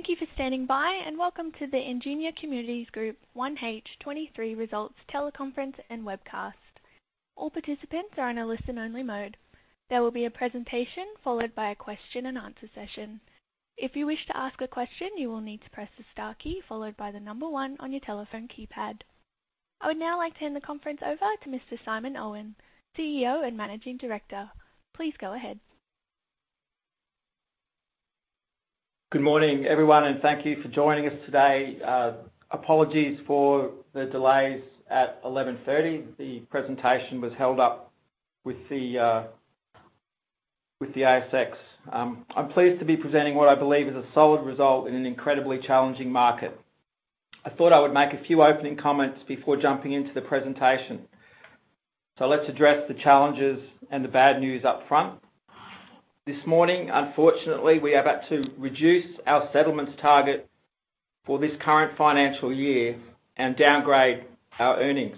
Thank you for standing by, welcome to the Ingenia Communities Group 1H23 Results Teleconference and Webcast. All participants are in a listen-only mode. There will be a presentation followed by a question-and-answer session. If you wish to ask a question, you will need to press the star key followed by one on your telephone keypad. I would now like to hand the conference over to Mr. Simon Owen, CEO and Managing Director. Please go ahead. Good morning, everyone, and thank you for joining us today. Apologies for the delays at 11:30 A.M. The presentation was held up with the ASX. I'm pleased to be presenting what I believe is a solid result in an incredibly challenging market. I thought I would make a few opening comments before jumping into the presentation. Let's address the challenges and the bad news up front. This morning, unfortunately, we are about to reduce our settlements target for this current financial year and downgrade our earnings.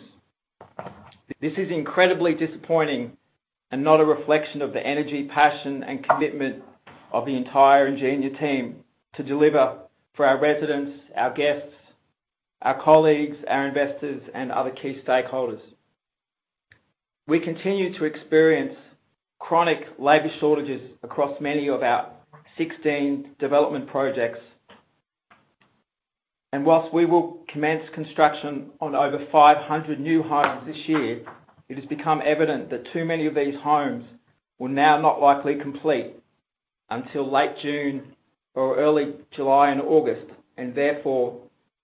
This is incredibly disappointing and not a reflection of the energy, passion, and commitment of the entire Ingenia team to deliver for our residents, our guests, our colleagues, our investors, and other key stakeholders. We continue to experience chronic labor shortages across many of our 16 development projects. Whilst we will commence construction on over 500 new homes this year, it has become evident that too many of these homes will now not likely complete until late June or early July and August, and therefore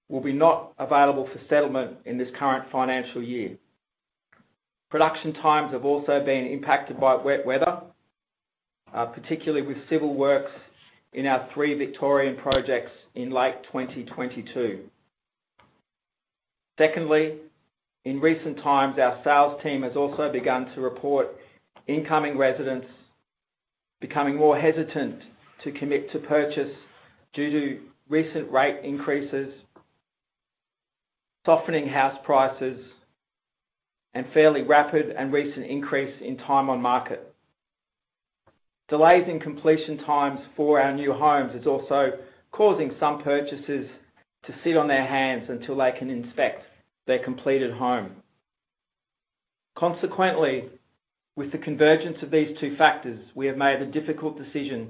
will be not available for settlement in this current financial year. Production times have also been impacted by wet weather, particularly with civil works in our three Victorian projects in late 2022. Secondly, in recent times, our sales team has also begun to report incoming residents becoming more hesitant to commit to purchase due to recent rate increases, softening house prices, and fairly rapid and recent increase in time on market. Delays in completion times for our new homes is also causing some purchasers to sit on their hands until they can inspect their completed home. Consequently, with the convergence of these two factors, we have made the difficult decision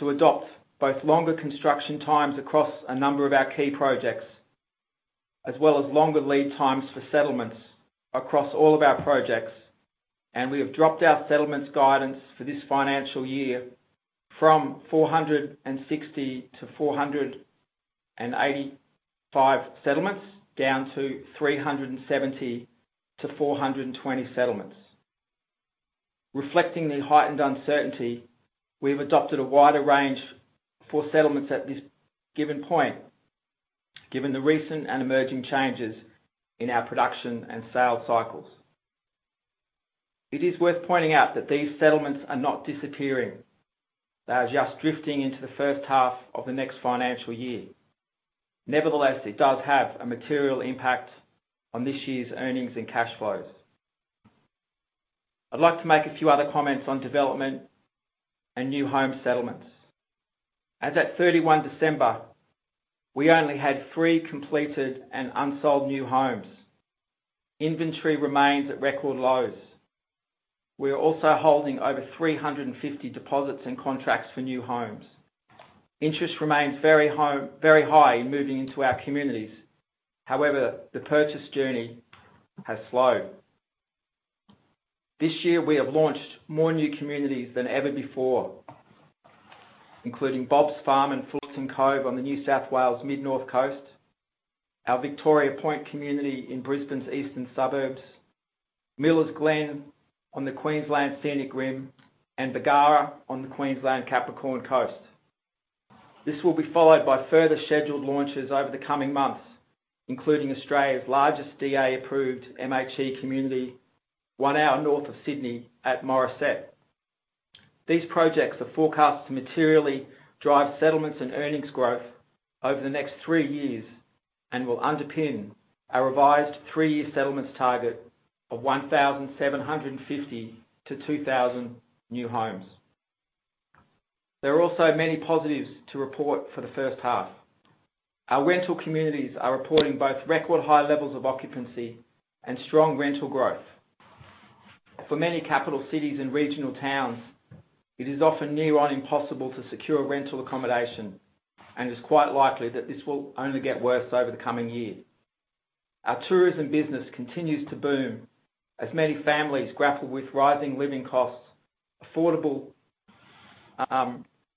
to adopt both longer construction times across a number of our key projects, as well as longer lead times for settlements across all of our projects. We have dropped our settlements guidance for this financial year from 460-485 settlements down to 370-420 settlements. Reflecting the heightened uncertainty, we've adopted a wider range for settlements at this given point, given the recent and emerging changes in our production and sales cycles. It is worth pointing out that these settlements are not disappearing. They are just drifting into the first half of the next financial year. Nevertheless, it does have a material impact on this year's earnings and cash flows. I'd like to make a few other comments on development and new home settlements. As at 31 December, we only had three completed and unsold new homes. Inventory remains at record lows. We are also holding over 350 deposits and contracts for new homes. Interest remains very high in moving into our communities. The purchase journey has slowed. This year, we have launched more new communities than ever before, including Bob's Farm and Fullerton Cove on the New South Wales Mid-North Coast, our Victoria Point community in Brisbane's eastern suburbs, Millers Glen on the Queensland Scenic Rim, and Bargara on the Queensland Capricorn Coast. This will be followed by further scheduled launches over the coming months, including Australia's largest DA-approved MHC community one hour north of Sydney at Morisset. These projects are forecast to materially drive settlements and earnings growth over the next three years and will underpin our revised three-year settlements target of 1,750-2,000 new homes. There are also many positives to report for the first half. Our rental communities are reporting both record high levels of occupancy and strong rental growth. For many capital cities and regional towns, it is often near on impossible to secure rental accommodation and is quite likely that this will only get worse over the coming year. Our tourism business continues to boom. As many families grapple with rising living costs, affordable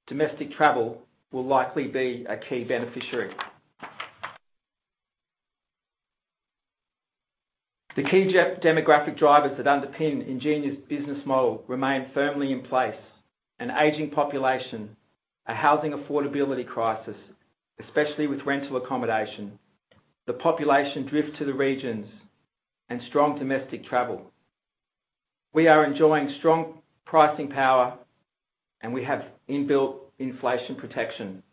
domestic travel will likely be a key beneficiary. The key demographic drivers that underpin Ingenia's business model remain firmly in place: an aging population, a housing affordability crisis, especially with rental accommodation, the population drift to the regions, and strong domestic travel. We are enjoying strong pricing power, and we have inbuilt inflation protection.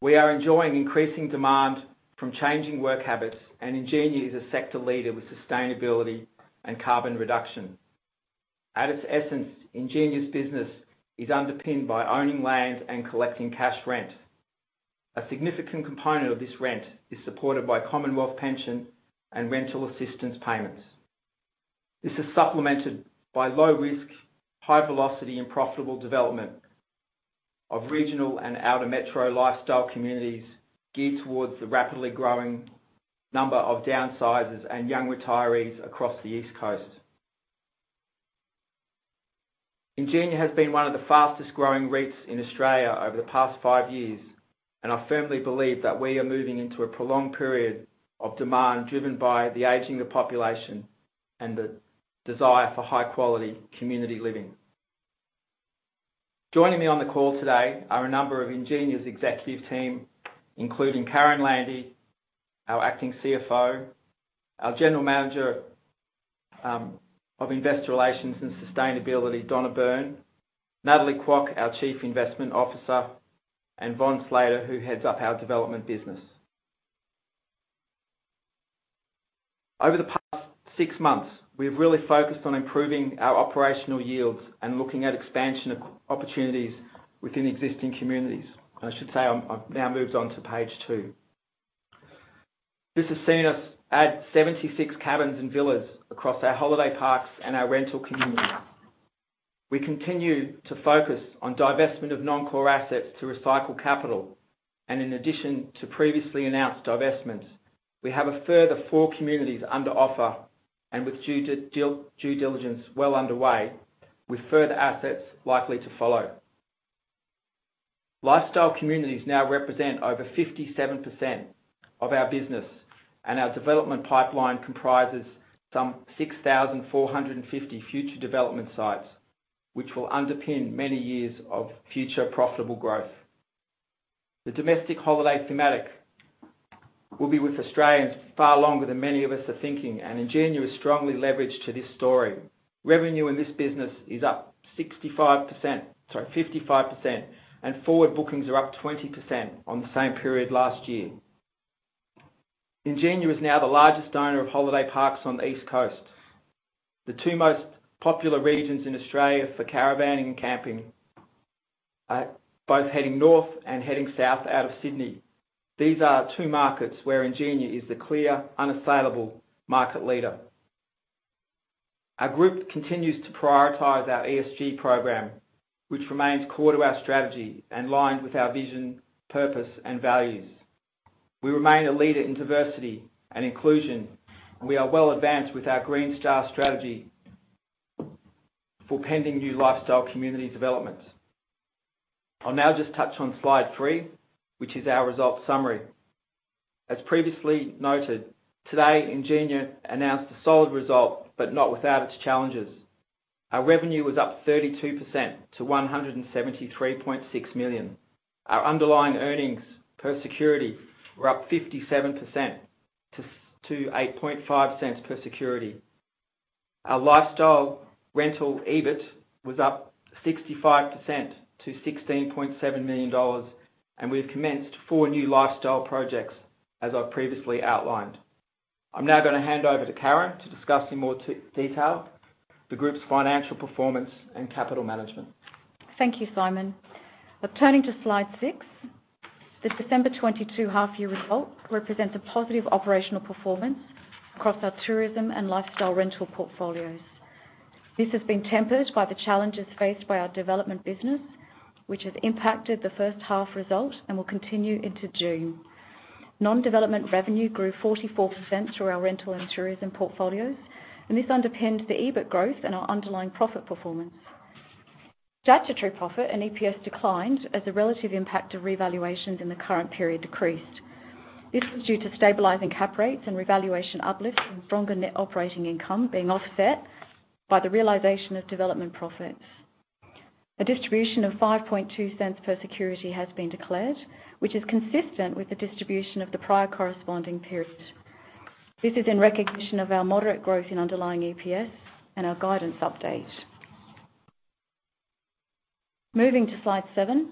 We are enjoying increasing demand from changing work habits, and Ingenia is a sector leader with sustainability and carbon reduction. At its essence, Ingenia's business is underpinned by owning land and collecting cash rent. A significant component of this rent is supported by Commonwealth pension and rental assistance payments. This is supplemented by low risk, high velocity, and profitable development of regional and outer metro lifestyle communities geared towards the rapidly growing number of downsizers and young retirees across the East Coast. Ingenia has been one of the fastest growing REITs in Australia over the past five years, and I firmly believe that we are moving into a prolonged period of demand driven by the aging of population and the desire for high quality community living. Joining me on the call today are a number of Ingenia's executive team, including Karen Landy, our Acting CFO, our General Manager of Investor Relations and Sustainability, Donna Byrne, Natalie Kwok, our Chief Investment Officer, and Von Slater, who heads up our development business. Over the past six months, we've really focused on improving our operational yields and looking at expansion of opportunities within existing communities. I should say I've now moved on to page two. This has seen us add 76 cabins and villas across our holiday parks and our rental communities. We continue to focus on divestment of non-core assets to recycle capital. In addition to previously announced divestments, we have a further four communities under offer and with due diligence well underway with further assets likely to follow. Lifestyle Communities now represent over 57% of our business, our development pipeline comprises some 6,450 future development sites, which will underpin many years of future profitable growth. The domestic holiday thematic will be with Australians far longer than many of us are thinking, Ingenia is strongly leveraged to this story. Revenue in this business is up 65%, sorry, 55%, forward bookings are up 20% on the same period last year. Ingenia is now the largest owner of holiday parks on the East Coast. The two most popular regions in Australia for caravaning and camping are both heading north and heading south out of Sydney. These are two markets where Ingenia is the clear, unassailable market leader. Our group continues to prioritize our ESG program, which remains core to our strategy and lines with our vision, purpose, and values. We remain a leader in diversity and inclusion, we are well advanced with our Green Star strategy for pending new lifestyle community developments. I'll now just touch on slide three, which is our results summary. As previously noted, today, Ingenia announced a solid result, not without its challenges. Our revenue was up 32% to 173.6 million. Our underlying earnings per security were up 57% to 0.085 per security. Our lifestyle rental EBIT was up 65% to 16.7 million dollars. We've commenced four new lifestyle projects, as I previously outlined. I'm now gonna hand over to Karen to discuss in more detail the group's financial performance and capital management. Thank you, Simon. Turning to slide six, the December 2022 half year result represents a positive operational performance across our tourism and lifestyle rental portfolios. This has been tempered by the challenges faced by our development business, which has impacted the first half result and will continue into June. Non-development revenue grew 44% through our rental and tourism portfolios, and this underpinned the EBIT growth and our underlying profit performance. Statutory profit and EPS declined as a relative impact of revaluations in the current period decreased. This was due to stabilizing cap rates and revaluation uplifts and stronger net operating income being offset by the realization of development profits. A distribution of 0.052 per security has been declared, which is consistent with the distribution of the prior corresponding period. This is in recognition of our moderate growth in underlying EPS and our guidance update. Moving to slide seven,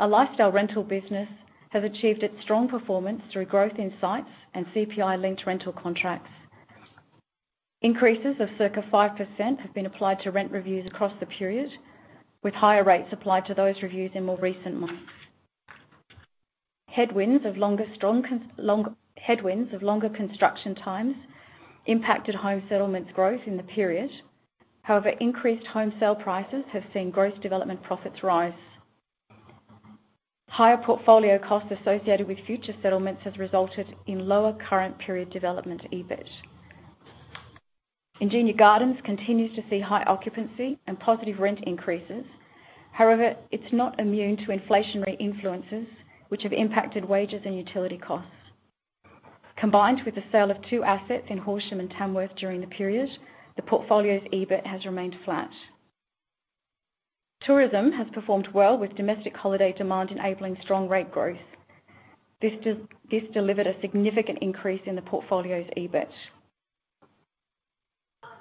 our lifestyle rental business has achieved its strong performance through growth in sites and CPI-linked rental contracts. Increases of circa 5% have been applied to rent reviews across the period, with higher rates applied to those reviews in more recent months. Headwinds of longer construction times impacted home settlements growth in the period. Increased home sale prices have seen gross development profits rise. Higher portfolio costs associated with future settlements has resulted in lower current period development EBIT. Ingenia Gardens continues to see high occupancy and positive rent increases. It's not immune to inflationary influences, which have impacted wages and utility costs. Combined with the sale of two assets in Horsham and Tamworth during the period, the portfolio's EBIT has remained flat. Tourism has performed well with domestic holiday demand enabling strong rate growth. This delivered a significant increase in the portfolio's EBIT.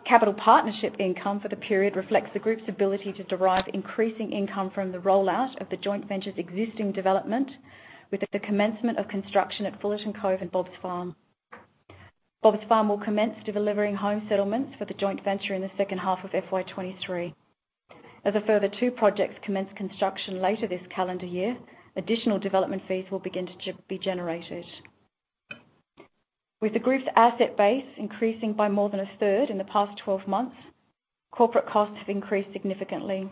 Capital partnership income for the period reflects the group's ability to derive increasing income from the rollout of the joint venture's existing development with the commencement of construction at Fullerton Cove and Bob's Farm. Bob's Farm will commence delivering home settlements for the joint venture in the second half of FY 2023. As a further two projects commence construction later this calendar year, additional development fees will begin to be generated. With the group's asset base increasing by more than a third in the past 12 months, corporate costs have increased significantly.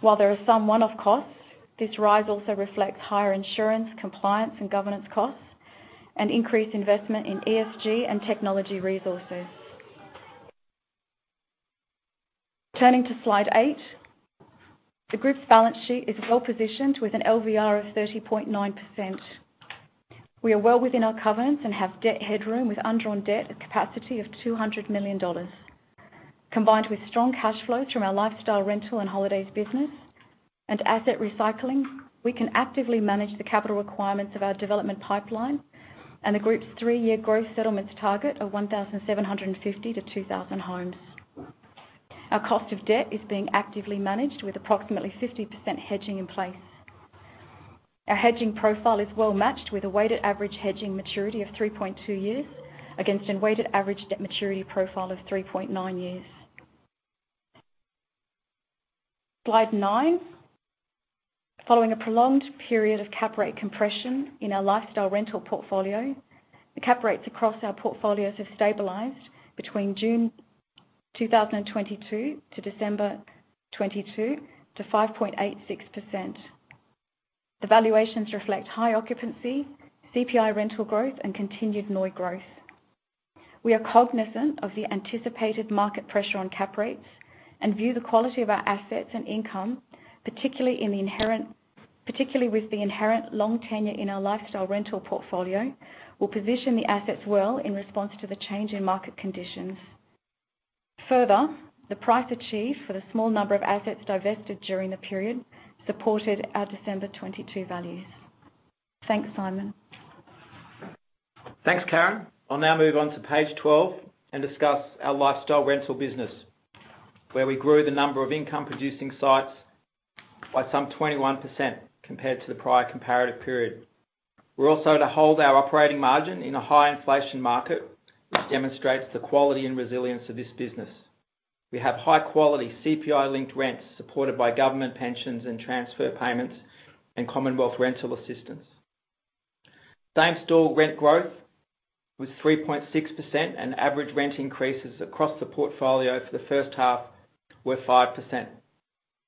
While there are some one-off costs, this rise also reflects higher insurance, compliance, and governance costs, and increased investment in ESG and technology resources. Turning to slide eight, the group's balance sheet is well positioned with an LVR of 30.9%. We are well within our covenants and have debt headroom with undrawn debt, a capacity of 200 million dollars. Combined with strong cash flows from our lifestyle rental and holidays business and asset recycling, we can actively manage the capital requirements of our development pipeline and the group's three-year growth settlements target of 1,750-2,000 homes. Our cost of debt is being actively managed with approximately 50% hedging in place. Our hedging profile is well matched with a weighted average hedging maturity of 3.2 years against an weighted average debt maturity profile of 3.9 years. Slide nine. Following a prolonged period of cap rate compression in our lifestyle rental portfolio, the cap rates across our portfolios have stabilized between June 2022 to December 2022 to 5.86%. The valuations reflect high occupancy, CPI rental growth, and continued NOI growth. We are cognizant of the anticipated market pressure on cap rates and view the quality of our assets and income, particularly with the inherent long tenure in our lifestyle rental portfolio, will position the assets well in response to the change in market conditions. Further, the price achieved for the small number of assets divested during the period supported our December 2022 values. Thanks, Simon. Thanks, Karen. I'll now move on to page 12 and discuss our lifestyle rental business, where we grew the number of income-producing sites by some 21% compared to the prior comparative period. We're also to hold our operating margin in a high inflation market, which demonstrates the quality and resilience of this business. We have high-quality CPI-linked rents supported by government pensions and transfer payments and Commonwealth Rent Assistance. Same-store rent growth was 3.6%, average rent increases across the portfolio for the first half were 5%.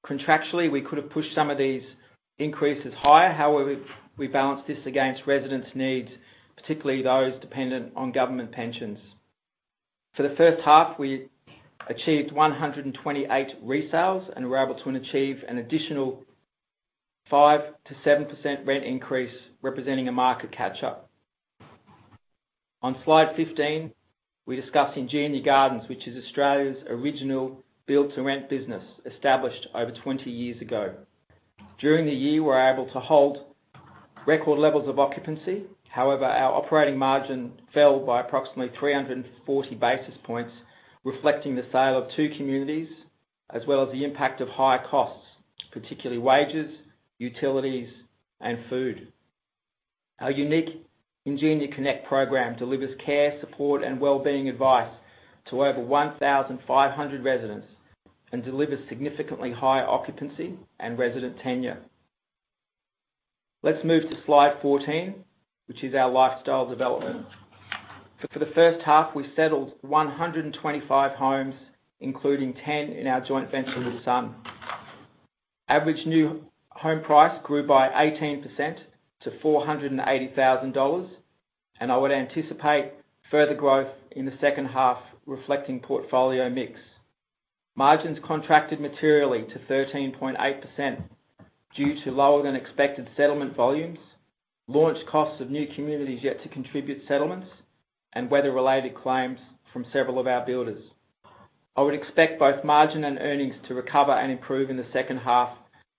Contractually, we could have pushed some of these increases higher. However, we balanced this against residents' needs, particularly those dependent on government pensions. For the first half, we achieved 128 resales, and we're able to achieve an additional 5%-7% rent increase, representing a market catch-up. On slide 15, we discuss Ingenia Gardens, which is Australia's original build-to-rent business, established over 20 years ago. During the year, we're able to hold record levels of occupancy. Our operating margin fell by approximately 340 basis points, reflecting the sale of two communities, as well as the impact of higher costs, particularly wages, utilities, and food. Our unique Ingenia Connect program delivers care, support, and wellbeing advice to over 1,500 residents and delivers significantly higher occupancy and resident tenure. Let's move to slide 14, which is our lifestyle development. For the first half, we settled 125 homes, including 10 in our joint venture with Sun. Average new home price grew by 18% to 480,000 dollars, and I would anticipate further growth in the second half, reflecting portfolio mix. Margins contracted materially to 13.8% due to lower-than-expected settlement volumes, launch costs of new communities yet to contribute settlements, and weather-related claims from several of our builders. I would expect both margin and earnings to recover and improve in the second half,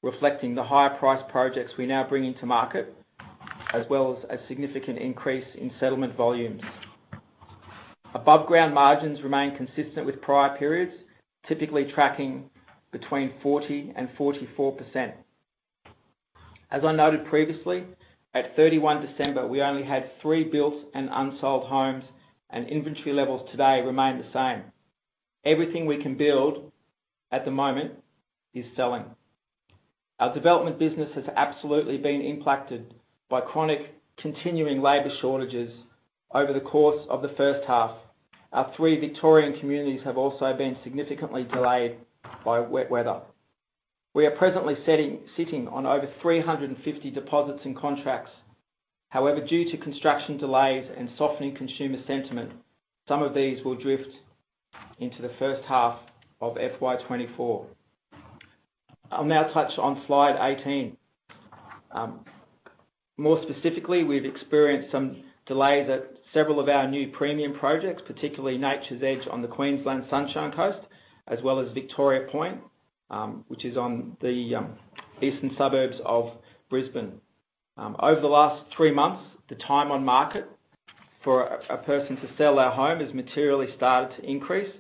reflecting the higher priced projects we now bring into market, as well as a significant increase in settlement volumes. Above-ground margins remain consistent with prior periods, typically tracking between 40% and 44%. As I noted previously, at 31 December, we only had three built and unsold homes, and inventory levels today remain the same. Everything we can build at the moment is selling. Our development business has absolutely been impacted by chronic, continuing labor shortages over the course of the first half. Our three Victorian communities have also been significantly delayed by wet weather. We are presently sitting on over 350 deposits and contracts. Due to construction delays and softening consumer sentiment, some of these will drift into 1H FY 2024. I'll now touch on slide 18. More specifically, we've experienced some delays at several of our new premium projects, particularly Nature's Edge on the Queensland Sunshine Coast, as well as Victoria Point, which is on the eastern suburbs of Brisbane. Over the last 3 months, the time on market for a person to sell their home has materially started to increase.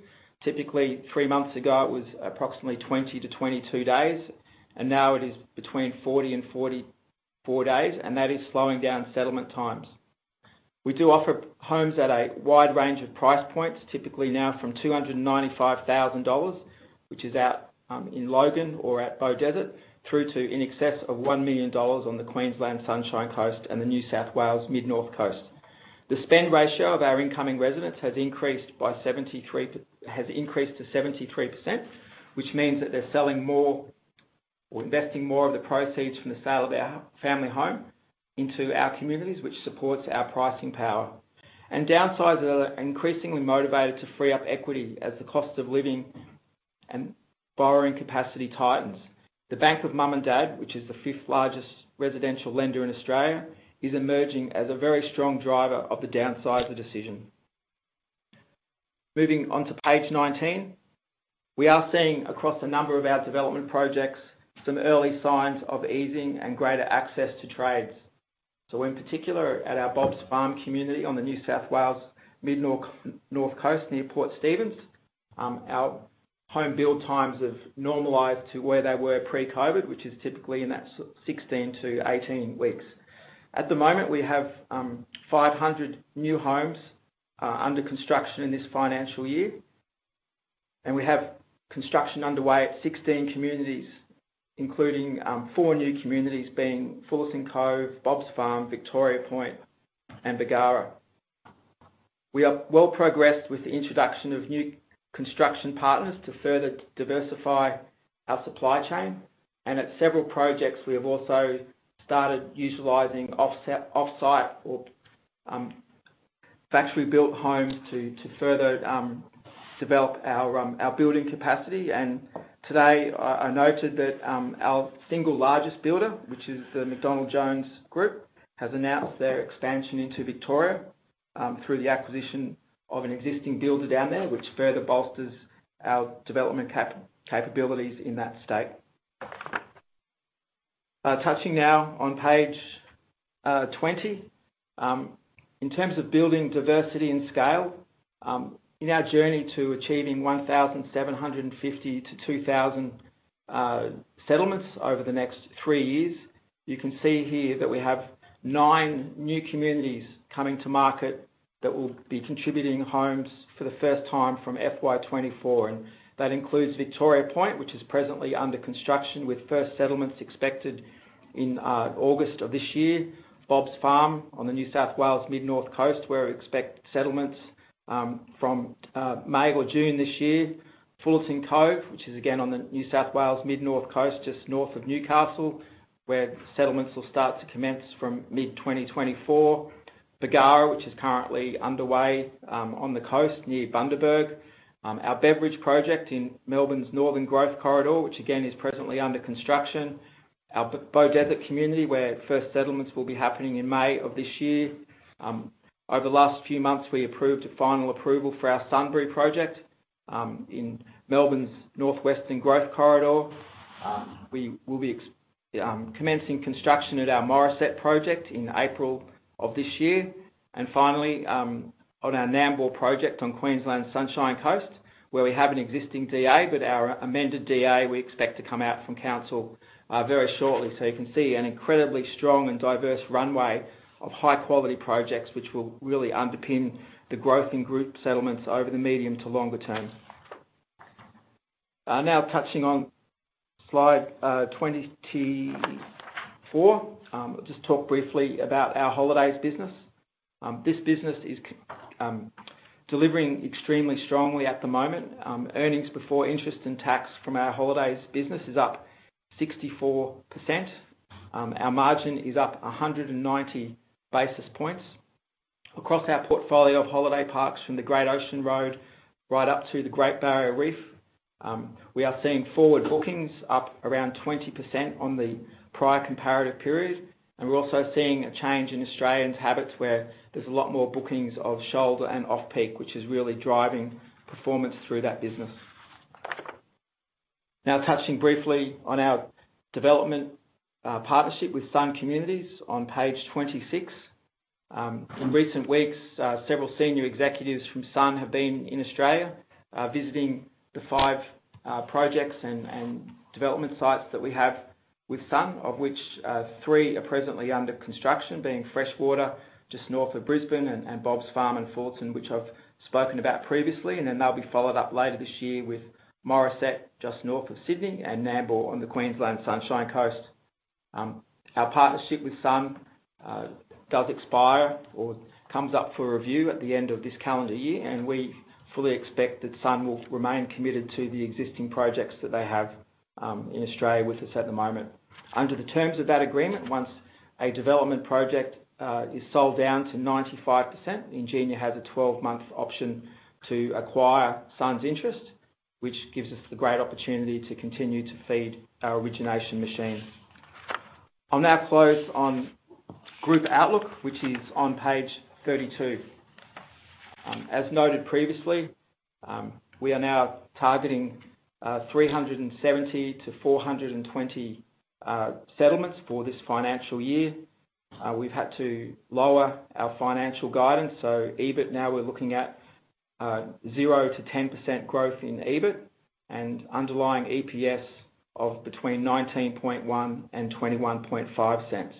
Typically, three months ago, it was approximately 20-22 days, and now it is between 40-44 days, and that is slowing down settlement times. We do offer homes at a wide range of price points, typically now from 295,000 dollars, which is out in Logan or at Beaudesert, through to in excess of 1 million dollars on the Queensland Sunshine Coast and the New South Wales Mid North Coast. The spend ratio of our incoming residents has increased to 73%, which means that they're selling more or investing more of the proceeds from the sale of their family home into our communities, which supports our pricing power. Downsizers are increasingly motivated to free up equity as the cost of living and borrowing capacity tightens. The bank of mum and dad, which is the 5th largest residential lender in Australia, is emerging as a very strong driver of the downsizer decision. Moving on to page 19. We are seeing across a number of our development projects some early signs of easing and greater access to trades. In particular, at our Bob's Farm community on the New South Wales Mid North Coast near Port Stephens, our home build times have normalized to where they were pre-COVID, which is typically in that 16 to 18 weeks. At the moment, we have 500 new homes under construction in this financial year, and we have construction underway at 16 communities, including four new communities being Fullerton Cove, Bob's Farm, Victoria Point, and Bargara. We are well progressed with the introduction of new construction partners to further diversify our supply chain. At several projects, we have also started utilizing offsite or factory-built homes to further develop our building capacity. Today, I noted that our single largest builder, which is the McDonald Jones group, has announced their expansion into Victoria through the acquisition of an existing builder down there, which further bolsters our development capabilities in that state. Touching now on page 20. In terms of building diversity and scale, in our journey to achieving 1,750 to 2,000 settlements over the next three years, you can see here that we have nine new communities coming to market that will be contributing homes for the first time from FY 2024. That includes Victoria Point, which is presently under construction with first settlements expected in August of this year. Bob's Farm on the New South Wales Mid North Coast, where we expect settlements from May or June this year. Fullerton Cove, which is again on the New South Wales Mid North Coast, just north of Newcastle, where settlements will start to commence from mid-2024. Bargara, which is currently underway, on the coast near Bundaberg. Our Beveridge project in Melbourne's northern growth corridor, which again is presently under construction. Our Beaudesert community, where first settlements will be happening in May of this year. Over the last few months, we approved a final approval for our Sunbury project, in Melbourne's northwestern growth corridor. We will be commencing construction at our Morisset project in April of this year. Finally, on our Nambour project on Queensland's Sunshine Coast, where we have an existing DA, but our amended DA we expect to come out from council very shortly. You can see an incredibly strong and diverse runway of high-quality projects, which will really underpin the growth in group settlements over the medium to longer term. I'm now touching on slide 24. I'll just talk briefly about our holidays business. This business is delivering extremely strongly at the moment. earnings before interest and tax from our holidays business is up 64%. Our margin is up 190 basis points. Across our portfolio of holiday parks from the Great Ocean Road right up to the Great Barrier Reef, we are seeing forward bookings up around 20% on the prior comparative period. We're also seeing a change in Australians' habits, where there's a lot more bookings of shoulder and off-peak, which is really driving performance through that business. Touching briefly on our development partnership with Sun Communities on page 26. In recent weeks, several senior executives from Sun have been in Australia, visiting the five projects and development sites that we have with Sun, of which three are presently under construction, being Freshwater, just north of Brisbane, and Bob's Farm and Fullerton, which I've spoken about previously. They'll be followed up later this year with Morisset, just north of Sydney, and Nambour on the Queensland Sunshine Coast. Our partnership with Sun does expire or comes up for review at the end of this calendar year, and we fully expect that Sun will remain committed to the existing projects that they have in Australia with us at the moment. Under the terms of that agreement, once a development project is sold down to 95%, Ingenia has a 12-month option to acquire Sun's interest, which gives us the great opportunity to continue to feed our origination machine. I'll now close on group outlook, which is on page 32. As noted previously, we are now targeting 370-420 settlements for this financial year. We've had to lower our financial guidance. EBIT now we're looking at 0%-10% growth in EBIT and underlying EPS of between 0.191 and 0.215.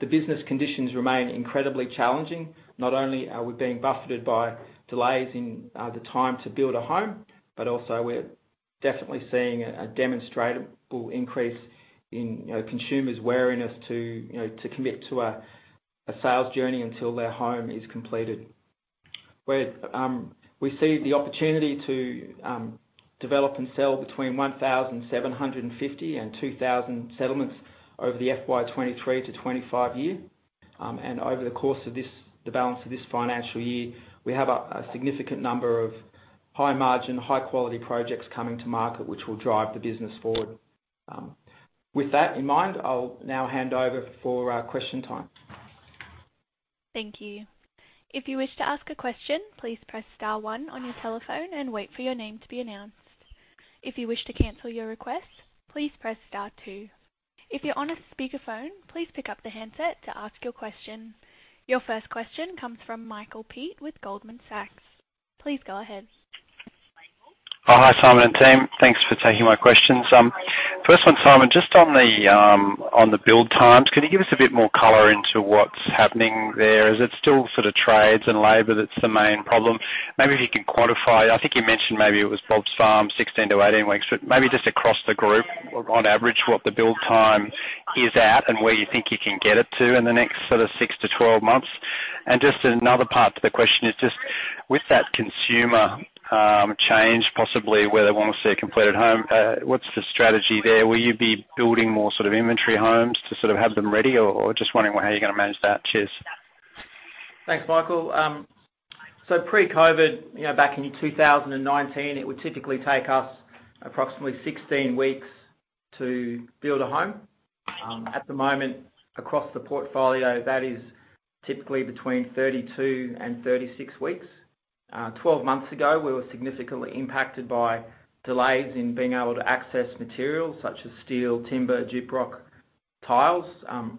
The business conditions remain incredibly challenging. Not only are we being buffeted by delays in the time to build a home, but also we're definitely seeing a demonstrable increase in, you know, consumers' wariness to, you know, to commit to a sales journey until their home is completed. We see the opportunity to develop and sell between 1,750 and 2,000 settlements over the FY 2023-FY 2025 year. Over the course of the balance of this financial year, we have a significant number of high margin, high quality projects coming to market which will drive the business forward. With that in mind, I'll now hand over for question time. Thank you. If you wish to ask a question, please press star one on your telephone and wait for your name to be announced. If you wish to cancel your request, please press star two. If you're on a speakerphone, please pick up the handset to ask your question. Your first question comes from Michael Peet with Goldman Sachs. Please go ahead. Hi, Simon and team. Thanks for taking my questions. First one, Simon, just on the build times, can you give us a bit more color into what's happening there? Is it still sort of trades and labor that's the main problem? Maybe if you can quantify. I think you mentioned maybe it was Bob's Farm, 16-18 weeks, but maybe just across the group on average, what the build time is at and where you think you can get it to in the next sort of 6-12 months. Just another part to the question is just with that consumer change possibly where they wanna see a completed home, what's the strategy there? Will you be building more sort of inventory homes to sort of have them ready or just wondering how you're gonna manage that? Cheers. Thanks, Michael. Pre-COVID, you know, back in 2019, it would typically take us approximately 16 weeks to build a home. At the moment across the portfolio, that is typically between 32 and 36 weeks. 12 months ago, we were significantly impacted by delays in being able to access materials such as steel, timber, gyprock tiles.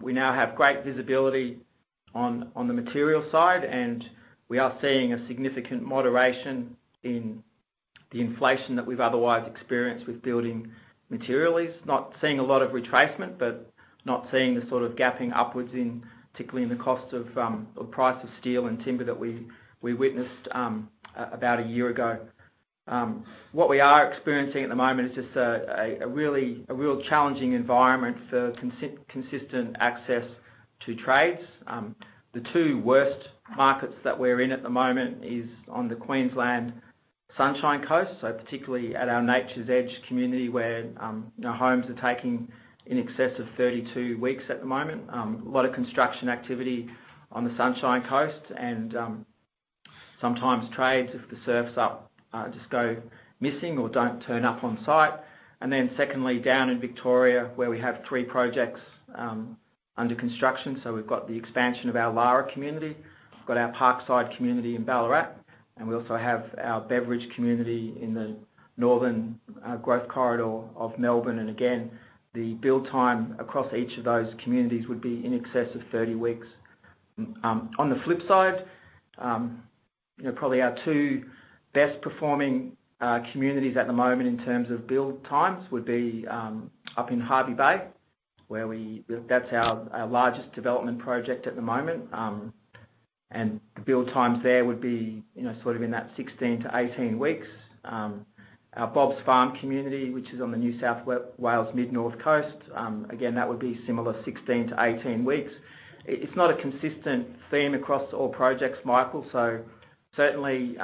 We now have great visibility on the material side, and we are seeing a significant moderation in the inflation that we've otherwise experienced with building materials. Not seeing a lot of retracement, but not seeing the sort of gapping upwards in, particularly in the cost of, or price of steel and timber that we witnessed about a year ago. What we are experiencing at the moment is just a real challenging environment for consistent access to trades. The two worst markets that we're in at the moment is on the Queensland Sunshine Coast, particularly at our Nature's Edge community, where, you know, homes are taking in excess of 32 weeks at the moment. A lot of construction activity on the Sunshine Coast and sometimes trades, if the surf's up, just go missing or don't turn up on site. Secondly, down in Victoria, where we have three projects under construction. We've got the expansion of our Lara community, we've got our Parkside community in Ballarat, and we also have our Beveridge community in the northern growth corridor of Melbourne. Again, the build time across each of those communities would be in excess of 30 weeks. On the flip side, you know, probably our two best performing communities at the moment in terms of build times would be up in Hervey Bay where that's our largest development project at the moment. The build times there would be, you know, sort of in that 16-18 weeks. Our Bob's Farm community, which is on the New South Wales mid-north coast, again, that would be similar 16-18 weeks. It's not a consistent theme across all projects, Michael Peet. Certainly,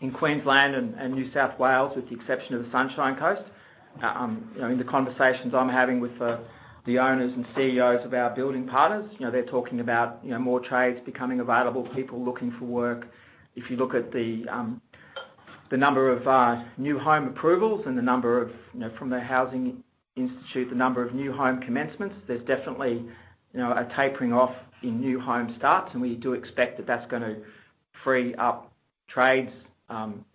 in Queensland and New South Wales, with the exception of the Sunshine Coast, you know, in the conversations I'm having with the owners and CEOs of our building partners, you know, they're talking about, you know, more trades becoming available, people looking for work. If you look at the number of new home approvals and the number of, you know, from the Housing Institute, the number of new home commencements, there's definitely, you know, a tapering off in new home starts, and we do expect that that's gonna free up trades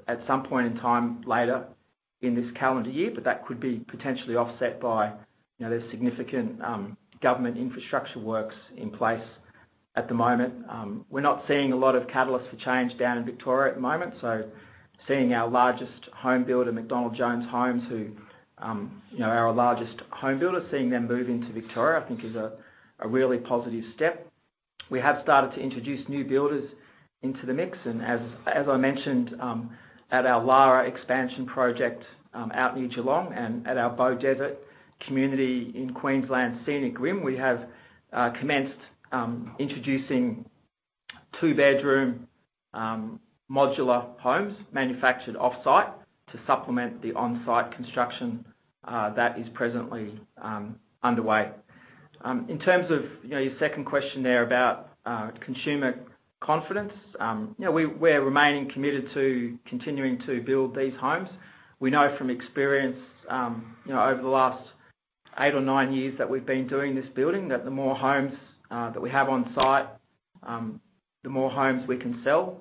at some point in time later in this calendar year. That could be potentially offset by, you know, the significant government infrastructure works in place at the moment. We're not seeing a lot of catalyst for change down in Victoria at the moment. Seeing our largest home builder, McDonald Jones Homes, who, you know, are our largest home builder, seeing them move into Victoria, I think is a really positive step. We have started to introduce new builders into the mix, as I mentioned, at our Lara expansion project, out in Geelong and at our Beaudesert community in Queensland Scenic Rim, we have commenced introducing two-bedroom modular homes manufactured offsite to supplement the onsite construction that is presently underway. In terms of, you know, your second question there about consumer confidence, you know, we're remaining committed to continuing to build these homes. We know from experience, you know, over the last eight or nine years that we've been doing this building, that the more homes that we have on site, the more homes we can sell.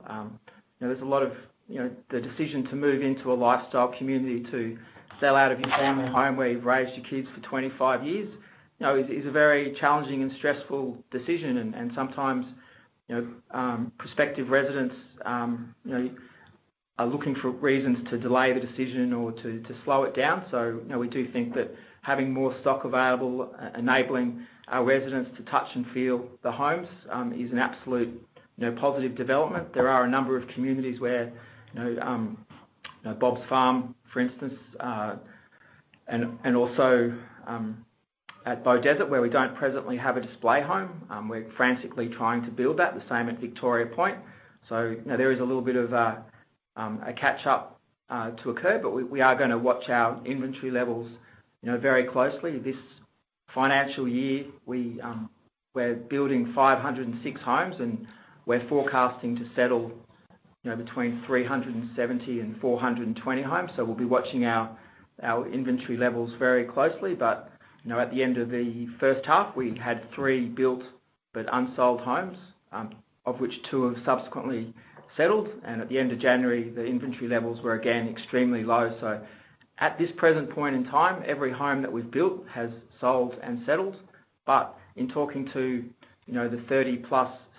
You know there's a lot of... You know, the decision to move into a lifestyle community to sell out of your family home where you've raised your kids for 25 years, you know, is a very challenging and stressful decision. Sometimes, you know, prospective residents, you know, are looking for reasons to delay the decision or to slow it down. You know, we do think that having more stock available, enabling our residents to touch and feel the homes, is an absolute, you know, positive development. There are a number of communities where, you know, Bob's Farm, for instance, and also, at Beaudesert, where we don't presently have a display home. We're frantically trying to build that. The same at Victoria Point. You know, there is a little bit of a catch-up to occur, but we are gonna watch our inventory levels, you know, very closely. This financial year, we're building 506 homes, and we're forecasting to settle, you know, between 370 and 420 homes. We'll be watching our inventory levels very closely. You know, at the end of the first half, we had three built but unsold homes, of which two have subsequently settled. At the end of January, the inventory levels were again extremely low. At this present point in time, every home that we've built has sold and settled. In talking to, you know, the 30+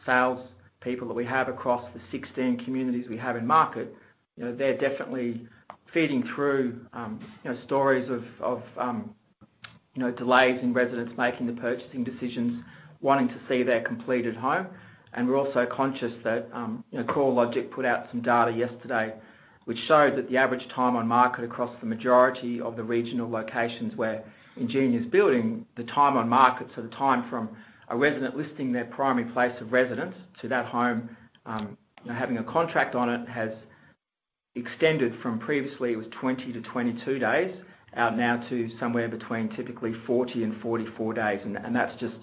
salespeople that we have across the 16 communities we have in market, you know, they're definitely feeding through, you know, stories of, you know, delays in residents making the purchasing decisions, wanting to see their completed home. We're also conscious that, you know, CoreLogic put out some data yesterday which showed that the average time on market across the majority of the regional locations where Ingenia's building, the time on market, so the time from a resident listing their primary place of residence to that home, you know, having a contract on it, has extended from previously it was 20-22 days, out now to somewhere between typically 40 and 44 days. That's just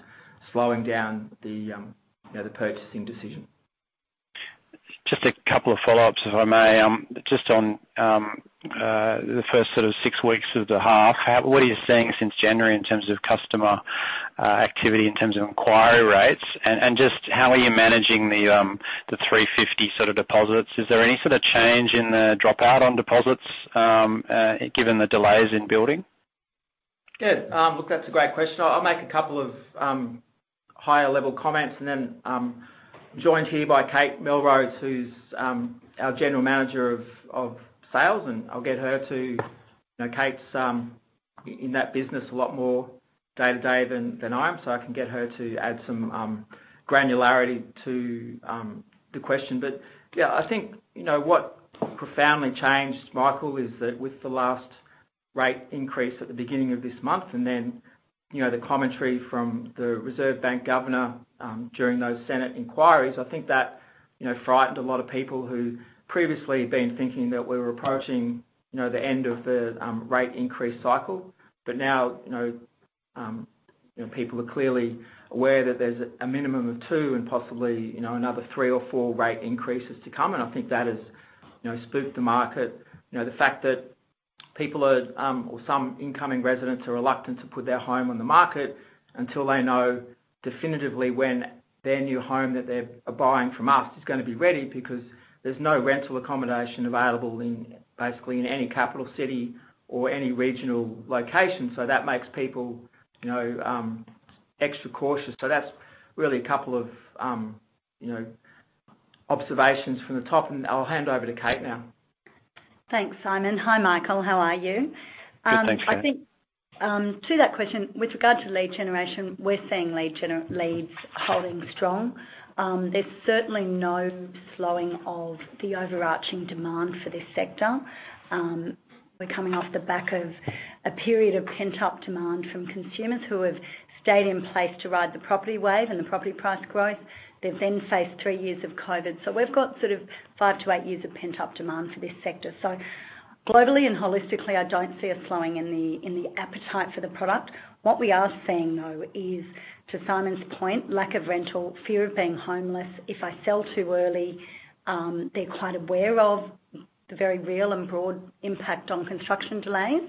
slowing down the, you know, the purchasing decision. Just a couple of follow-ups, if I may. Just on the first sort of six weeks of the half, what are you seeing since January in terms of customer, activity, in terms of inquiry rates? Just how are you managing the 350 sort of deposits? Is there any sort of change in the dropout on deposits, given the delays in building? Good. Look, that's a great question. I'll make a couple of higher level comments and then, joined here by Kate Melrose, who's our General Manager of Sales, and I'll get her to. You know, Kate's in that business a lot more day to day than I am, so I can get her to add some granularity to the question. Yeah, I think, you know, what profoundly changed, Michael, is that with the last rate increase at the beginning of this month, and then, you know, the commentary from the Reserve Bank governor, during those Senate inquiries, I think that, you know, frightened a lot of people who previously had been thinking that we were approaching, you know, the end of the rate increase cycle. Now, you know, you know, people are clearly aware that there's a minimum of two and possibly, you know, another three or four rate increases to come. I think that has, you know, spooked the market. The fact that people are, or some incoming residents are reluctant to put their home on the market until they know definitively when their new home that they're buying from us is gonna be ready because there's no rental accommodation available in, basically, in any capital city or any regional location. That makes people, you know, extra cautious. That's really a couple of, you know, observations from the top. I'll hand over to Kate now. Thanks, Simon. Hi, Michael. How are you? Good, thanks, Kate. I think, to that question, with regard to lead generation, we're seeing leads holding strong. There's certainly no slowing of the overarching demand for this sector. We're coming off the back of a period of pent-up demand from consumers who have stayed in place to ride the property wave and the property price growth. They've then faced three years of COVID. We've got sort of five to eight years of pent-up demand for this sector. Globally and holistically, I don't see a slowing in the, in the appetite for the product. What we are seeing, though, is, to Simon's point, lack of rental, fear of being homeless. If I sell too early, they're quite aware of the very real and broad impact on construction delays.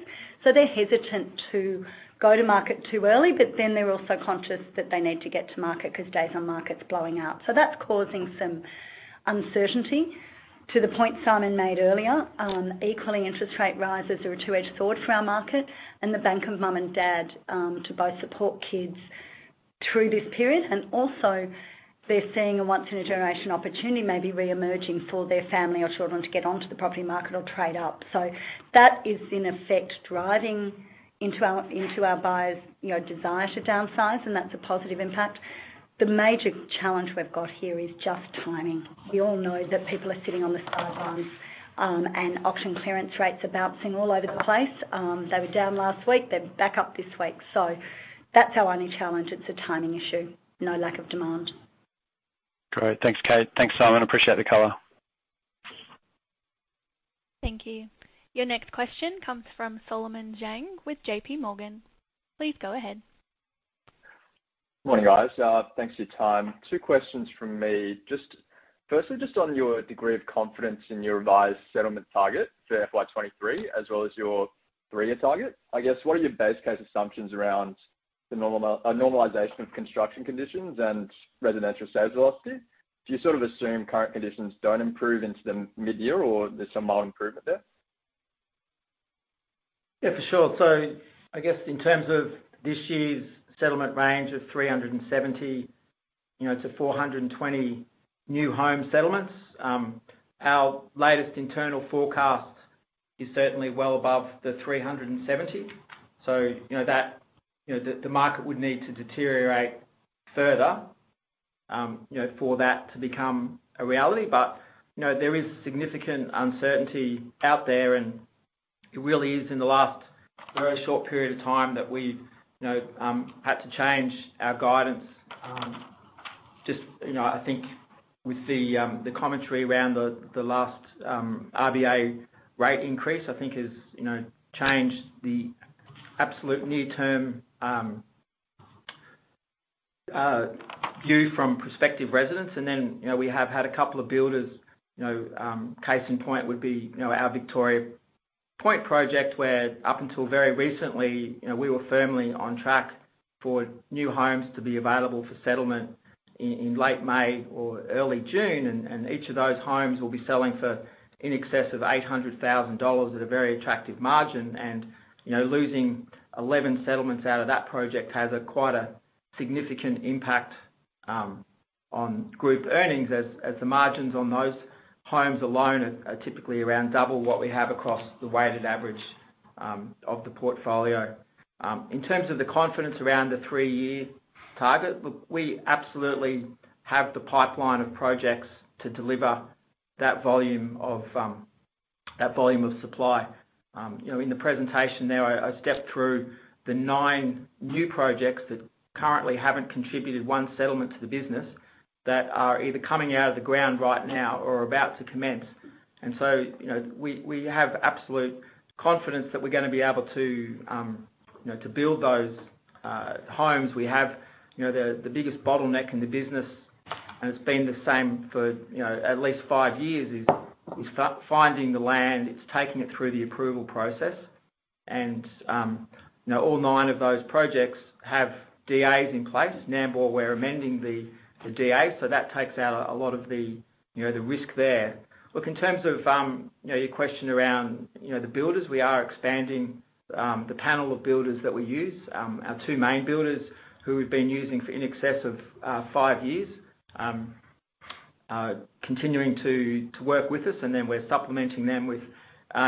They're hesitant to go to market too early, but then they're also conscious that they need to get to market 'cause days on market's blowing out. That's causing some uncertainty. To the point Simon made earlier, equally, interest rate rises are a two-edged sword for our market and the bank of mum and dad, to both support kids through this period, and also they're seeing a once in a generation opportunity maybe reemerging for their family or children to get onto the property market or trade up. That is in effect driving into our, into our buyers', you know, desire to downsize, and that's a positive impact. The major challenge we've got here is just timing. We all know that people are sitting on the sidelines, and auction clearance rates are bouncing all over the place. They were down last week. They're back up this week. That's our only challenge. It's a timing issue, no lack of demand. Great. Thanks, Kate. Thanks, Simon. Appreciate the color. Thank you. Your next question comes from Solomon Zhang with JPMorgan. Please go ahead Morning, guys. Thanks for your time. Two questions from me. Just firstly, just on your degree of confidence in your revised settlement target for FY 2023, as well as your three-year target. I guess, what are your best case assumptions around the normalization of construction conditions and residential sales velocity? Do you sort of assume current conditions don't improve into the midyear or there's some mild improvement there? Yeah, for sure. I guess in terms of this year's settlement range of 370, you know, to 420 new home settlements, our latest internal forecast is certainly well above the 370. You know that, you know, the market would need to deteriorate further, you know, for that to become a reality. You know, there is significant uncertainty out there, and it really is in the last very short period of time that we've, you know, had to change our guidance. Just, you know, I think with the commentary around the last RBA rate increase, I think has, you know, changed the absolute near term view from prospective residents. You know, we have had a couple of builders, you know, case in point would be, you know, our Victoria Point project, where up until very recently, you know, we were firmly on track for new homes to be available for settlement in late May or early June. Each of those homes will be selling for in excess of 800,000 dollars at a very attractive margin. You know, losing 11 settlements out of that project has a quite a significant impact on group earnings as the margins on those homes alone are typically around double what we have across the weighted average of the portfolio. In terms of the confidence around the 3-year target, look, we absolutely have the pipeline of projects to deliver that volume of that volume of supply. You know, in the presentation there, I stepped through the nine new projects that currently haven't contributed one settlement to the business that are either coming out of the ground right now or are about to commence. You know, we have absolute confidence that we're gonna be able to, you know, to build those homes. We have, you know, the biggest bottleneck in the business, and it's been the same for, you know, at least five years, is finding the land, it's taking it through the approval process. You know, all nine of those projects have DAs in place. Nambour, we're amending the DA, so that takes out a lot of the, you know, the risk there. Look, in terms of, you know, your question around, you know, the builders, we are expanding the panel of builders that we use. Our two main builders who we've been using for in excess of five years, are continuing to work with us, and then we're supplementing them with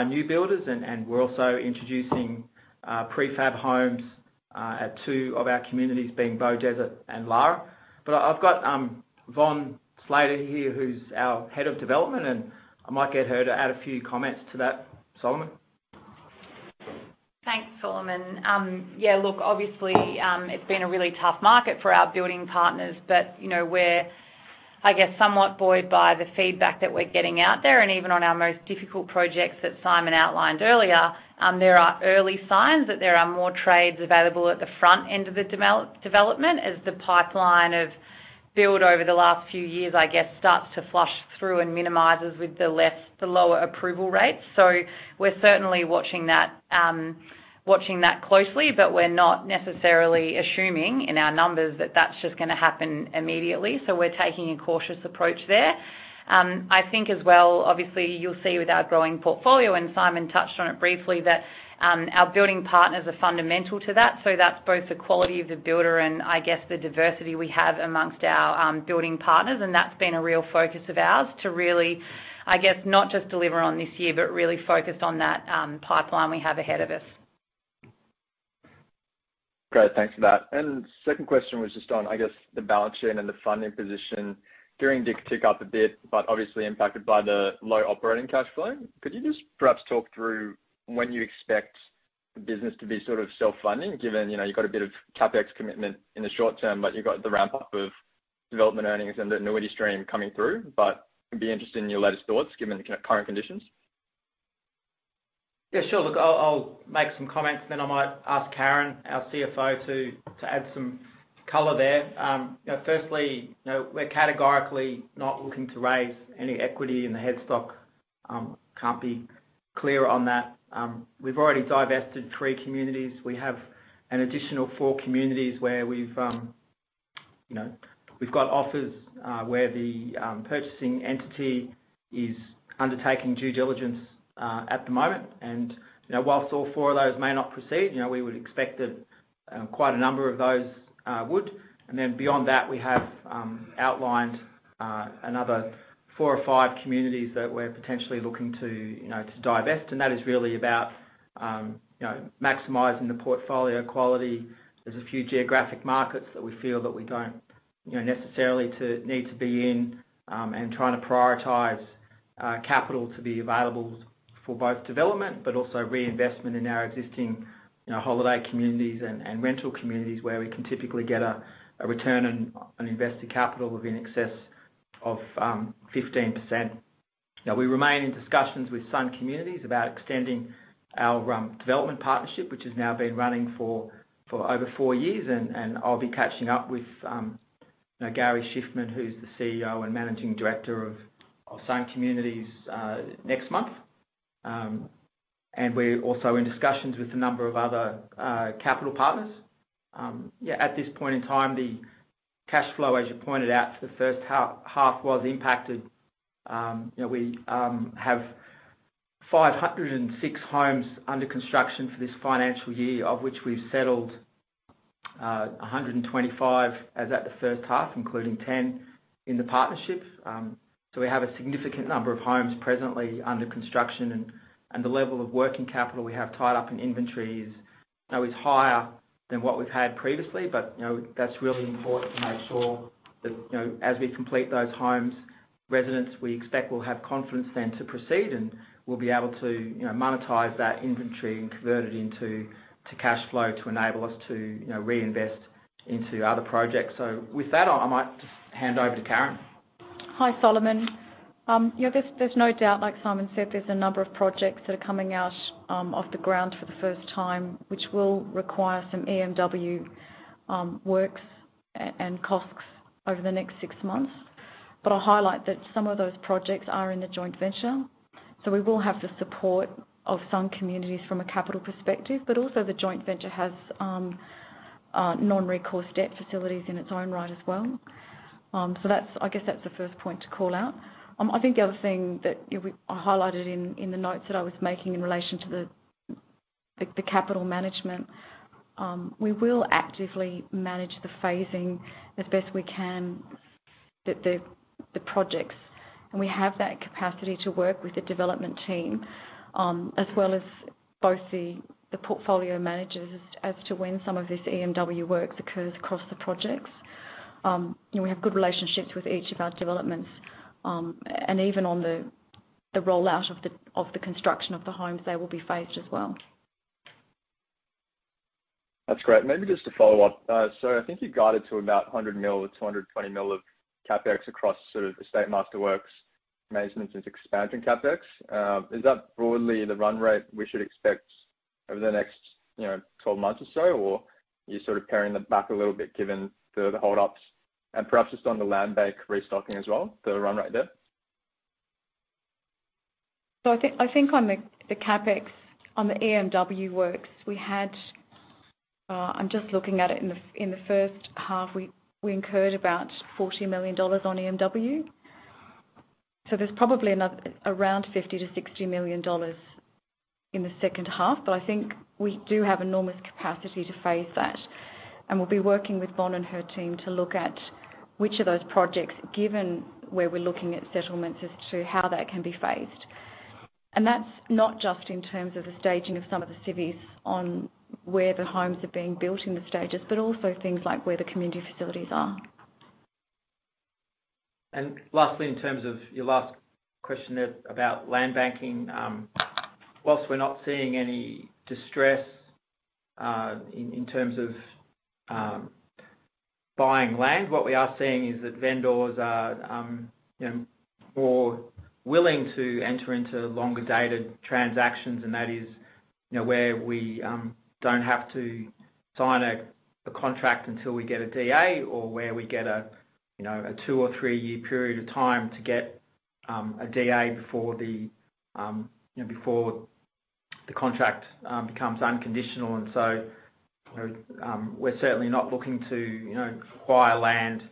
new builders. We're also introducing prefab homes at two of our communities, being Beaudesert and Lara. I've got Von Slater here, who's our head of development, and I might get her to add a few comments to that, Solomon. Thanks, Solomon. Obviously, it's been a really tough market for our building partners, but, you know, we're, I guess, somewhat buoyed by the feedback that we're getting out there, and even on our most difficult projects that Simon outlined earlier, there are early signs that there are more trades available at the front end of the development as the pipeline of build over the last few years, I guess, starts to flush through and minimizes with the lower approval rates. We're certainly watching that, watching that closely, but we're not necessarily assuming in our numbers that that's just gonna happen immediately. We're taking a cautious approach there. I think as well, obviously you'll see with our growing portfolio, and Simon touched on it briefly, that, our building partners are fundamental to that. That's both the quality of the builder and I guess, the diversity we have amongst our building partners, and that's been a real focus of ours to really, I guess, not just deliver on this year, but really focus on that pipeline we have ahead of us. Great. Thanks for that. Second question was just on, I guess, the balance sheet and the funding position gearing did tick up a bit, but obviously impacted by the low operating cash flow. Could you just perhaps talk through when you expect the business to be sort of self-funding, given, you know, you've got a bit of CapEx commitment in the short term, but you've got the ramp up of development earnings and the annuity stream coming through. I'd be interested in your latest thoughts given the current conditions. Look, I'll make some comments I might ask Karen, our CFO, to add some color there. You know, firstly, you know, we're categorically not looking to raise any equity in the headstock. Can't be clearer on that. We've already divested three communities. We have an additional four communities where we've, you know, we've got offers, where the purchasing entity is undertaking due diligence at the moment. You know, whilst all four of those may not proceed, you know, we would expect that quite a number of those would. Beyond that, we have outlined another four or five communities that we're potentially looking, you know, to divest. That is really about, you know, maximizing the portfolio quality. There's a few geographic markets that we feel that we don't, you know, necessarily need to be in, and trying to prioritize capital to be available for both development but also reinvestment in our existing, you know, holiday communities and rental communities where we can typically get a return on invested capital of in excess of 15%. Now we remain in discussions with Sun Communities about extending our development partnership, which has now been running for over four years. I'll be catching up with, you know, Gary Shiffman, who's the CEO and Managing Director of Sun Communities next month. We're also in discussions with a number of other capital partners. At this point in time, the cash flow, as you pointed out for the first half, was impacted. You know, we have 506 homes under construction for this financial year, of which we've settled 125 as at the first half, including 10 in the partnership. We have a significant number of homes presently under construction and the level of working capital we have tied up in inventory is, you know, is higher than what we've had previously. You know, that's really important to make sure that, you know, as we complete those homes, residents we expect will have confidence then to proceed, and we'll be able to, you know, monetize that inventory and convert it into cash flow to enable us to, you know, reinvest into other projects. With that, I might just hand over to Karen. Hi, Solomon. Yeah, there's no doubt, like Simon said, there's a number of projects that are coming out off the ground for the first time, which will require some EMW works and costs over the next six months. I'll highlight that some of those projects are in the joint venture, so we will have the support of Sun Communities from a capital perspective. Also the joint venture has non-recourse debt facilities in its own right as well. I guess that's the first point to call out. I think the other thing that I highlighted in the notes that I was making in relation to the capital management, we will actively manage the phasing as best we can the projects. We have that capacity to work with the development team, as well as both the portfolio managers as to when some of this EMW work occurs across the projects. You know, we have good relationships with each of our developments, and even on the rollout of the, of the construction of the homes, they will be phased as well. That's great. Maybe just to follow up, I think you guided to about 100 million or 220 million of CapEx across sort of Estate Master Works maintenance and expansion CapEx. Is that broadly the run rate we should expect over the next, you know, 12 months or so? Are you sort of paring that back a little bit given the hold-ups and perhaps just on the landbank restocking as well, the run rate there? I think, I think on the CapEx on the EMW works, we had, I'm just looking at it. In the first half, we incurred about 40 million dollars on EMW, there's probably around 50 million-60 million dollars in the second half. I think we do have enormous capacity to phase that, and we'll be working with Von and her team to look at which of those projects, given where we're looking at settlements, as to how that can be phased. That's not just in terms of the staging of some of the civils on where the homes are being built in the stages, but also things like where the community facilities are. Lastly, in terms of your last question there about land banking, whilst we're not seeing any distress, in terms of buying land, what we are seeing is that vendors are, you know, more willing to enter into longer dated transactions. That is, you know, where we don't have to sign a contract until we get a DA or where we get a, you know, a two or three-year period of time to get a DA before the, you know, before the contract becomes unconditional. You know, we're certainly not looking to, you know, acquire land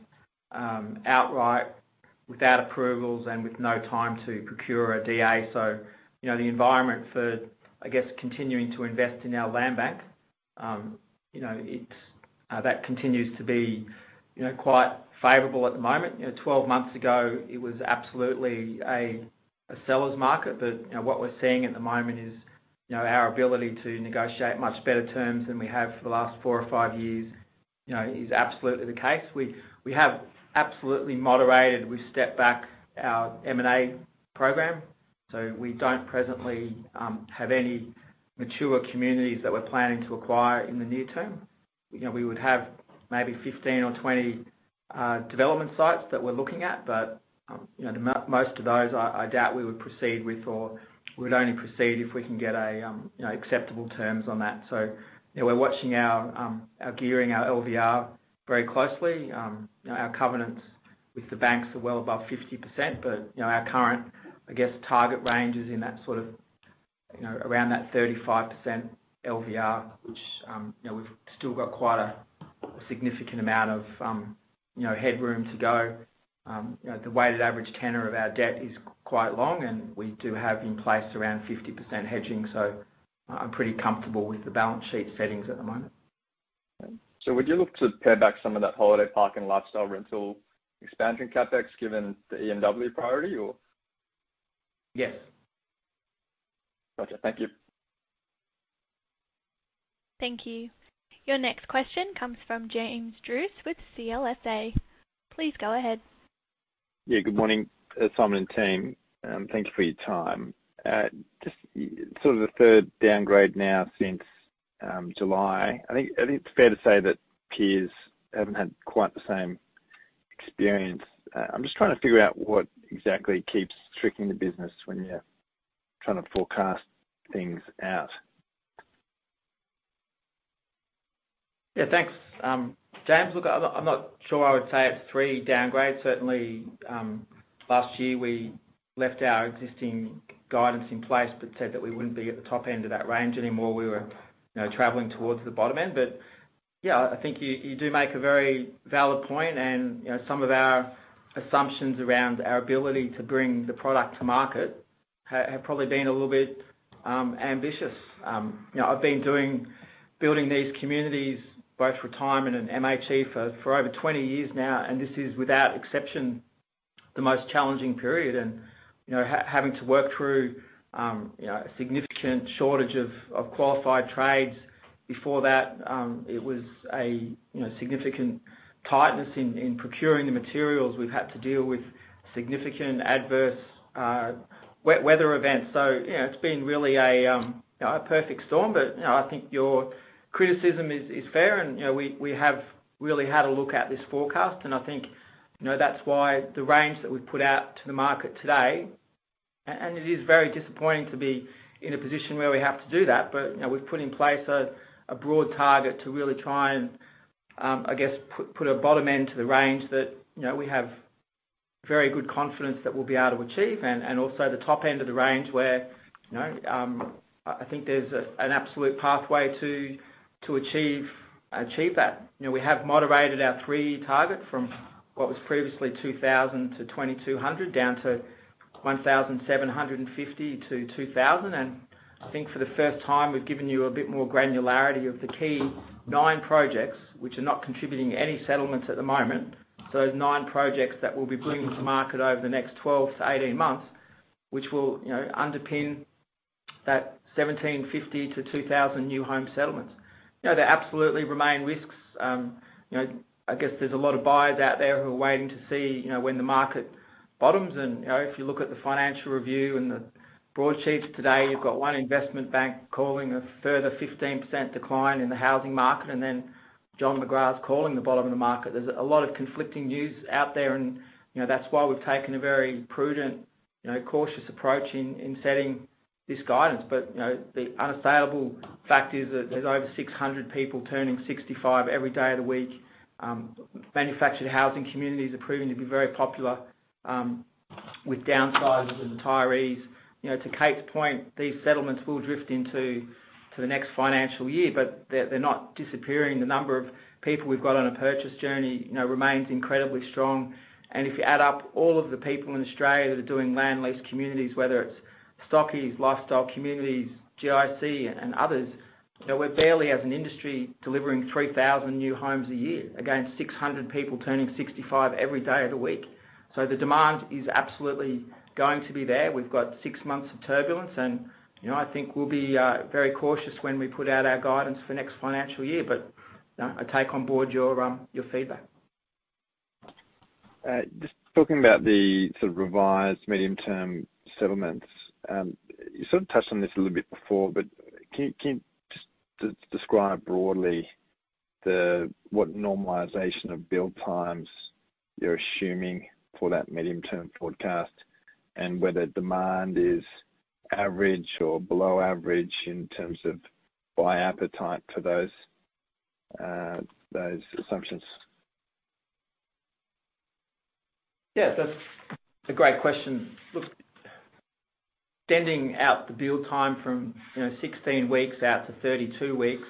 outright without approvals and with no time to procure a DA. You know, the environment for, I guess, continuing to invest in our landbank, you know, it's that continues to be, you know, quite favorable at the moment. 12 months ago it was absolutely a seller's market, but, you know, what we're seeing at the moment is, you know, our ability to negotiate much better terms than we have for the last four or five years, you know, is absolutely the case. We have absolutely moderated. We stepped back our M&A program. We don't presently have any mature communities that we're planning to acquire in the near term. You know, we would have maybe 15 or 20 development sites that we're looking at, but, you know, most of those I doubt we would proceed with or we'd only proceed if we can get a, you know, acceptable terms on that. You know, we're watching our gearing, our LVR very closely. You know, our covenants with the banks are well above 50%, but, you know, our current, I guess, target range is in that sort of, you know, around that 35% LVR, which, you know, we've still got quite a significant amount of, you know, headroom to go. You know, the weighted average tenor of our debt is quite long, and we do have in place around 50% hedging, I'm pretty comfortable with the balance sheet settings at the moment. Would you look to pare back some of that holiday park and lifestyle rental expansion CapEx given the EMW priority or? Yes. Okay. Thank you. Thank you. Your next question comes from James Druce with CLSA. Please go ahead. Good morning, Simon and team, thank you for your time. Just sort of the third downgrade now since July. I think it's fair to say that peers haven't had quite the same experience. I'm just trying to figure out what exactly keeps tricking the business when you're trying to forecast things out. Yeah. Thanks, James. Look, I'm not sure I would say it's three downgrades. Certainly, last year, we left our existing guidance in place, said that we wouldn't be at the top end of that range anymore. We were, you know, traveling towards the bottom end. Yeah, I think you do make a very valid point and, you know, some of our assumptions around our ability to bring the product to market have probably been a little bit ambitious. You know, I've been building these communities, both retirement and MHE for over 20 years now, this is without exception, the most challenging period. You know, having to work through, you know, a significant shortage of qualified trades. Before that, it was a, you know, significant tightness in procuring the materials. We've had to deal with significant adverse weather events. You know, it's been really a, you know, a perfect storm. You know, I think your criticism is fair and, you know, we have really had a look at this forecast and I think, you know, that's why the range that we've put out to the market today, and it is very disappointing to be in a position where we have to do that. You know, we've put in place a broad target to really try and, I guess, put a bottom end to the range that, you know, we have very good confidence that we'll be able to achieve. Also the top end of the range where, you know, I think there's an absolute pathway to achieve that. You know, we have moderated our three-year target from what was previously 2,000-2,200 down to 1,750-2,000. I think for the first time, we've given you a bit more granularity of the key 9 projects which are not contributing any settlements at the moment. Those 9 projects that we'll be bringing to market over the next 12-18 months, which will, you know, underpin that 1,750-2,000 new home settlements. You know, there absolutely remain risks. You know, I guess there's a lot of buyers out there who are waiting to see, you know, when the market bottoms. You know, if you look at the Financial Review and the broadsheets today, you've got one investment bank calling a further 15% decline in the housing market, and then John McGrath calling the bottom of the market. There's a lot of conflicting news out there and, you know, that's why we've taken a very prudent, you know, cautious approach in setting this guidance. You know, the unassailable fact is that there's over 600 people turning 65 every day of the week. Manufactured housing communities are proving to be very popular with downsizers and retirees. You know, to Kate's point, these settlements will drift into the next financial year, but they're not disappearing. The number of people we've got on a purchase journey, you know, remains incredibly strong. If you add up all of the people in Australia that are doing land lease communities, whether it's Stockland, Lifestyle Communities, GIC, and others, you know, we're barely as an industry, delivering 3,000 new homes a year against 600 people turning 65 every day of the week. The demand is absolutely going to be there. We've got six months of turbulence and, you know, I think we'll be very cautious when we put out our guidance for next financial year. You know, I take on board your feedback. Just talking about the sort of revised medium-term settlements. You sort of touched on this a little bit before, but can you just describe broadly what normalization of build times you're assuming for that medium-term forecast, and whether demand is average or below average in terms of buyer appetite to those assumptions? Yeah, that's a great question. Look, extending out the build time from, you know, 16 weeks out to 32 weeks,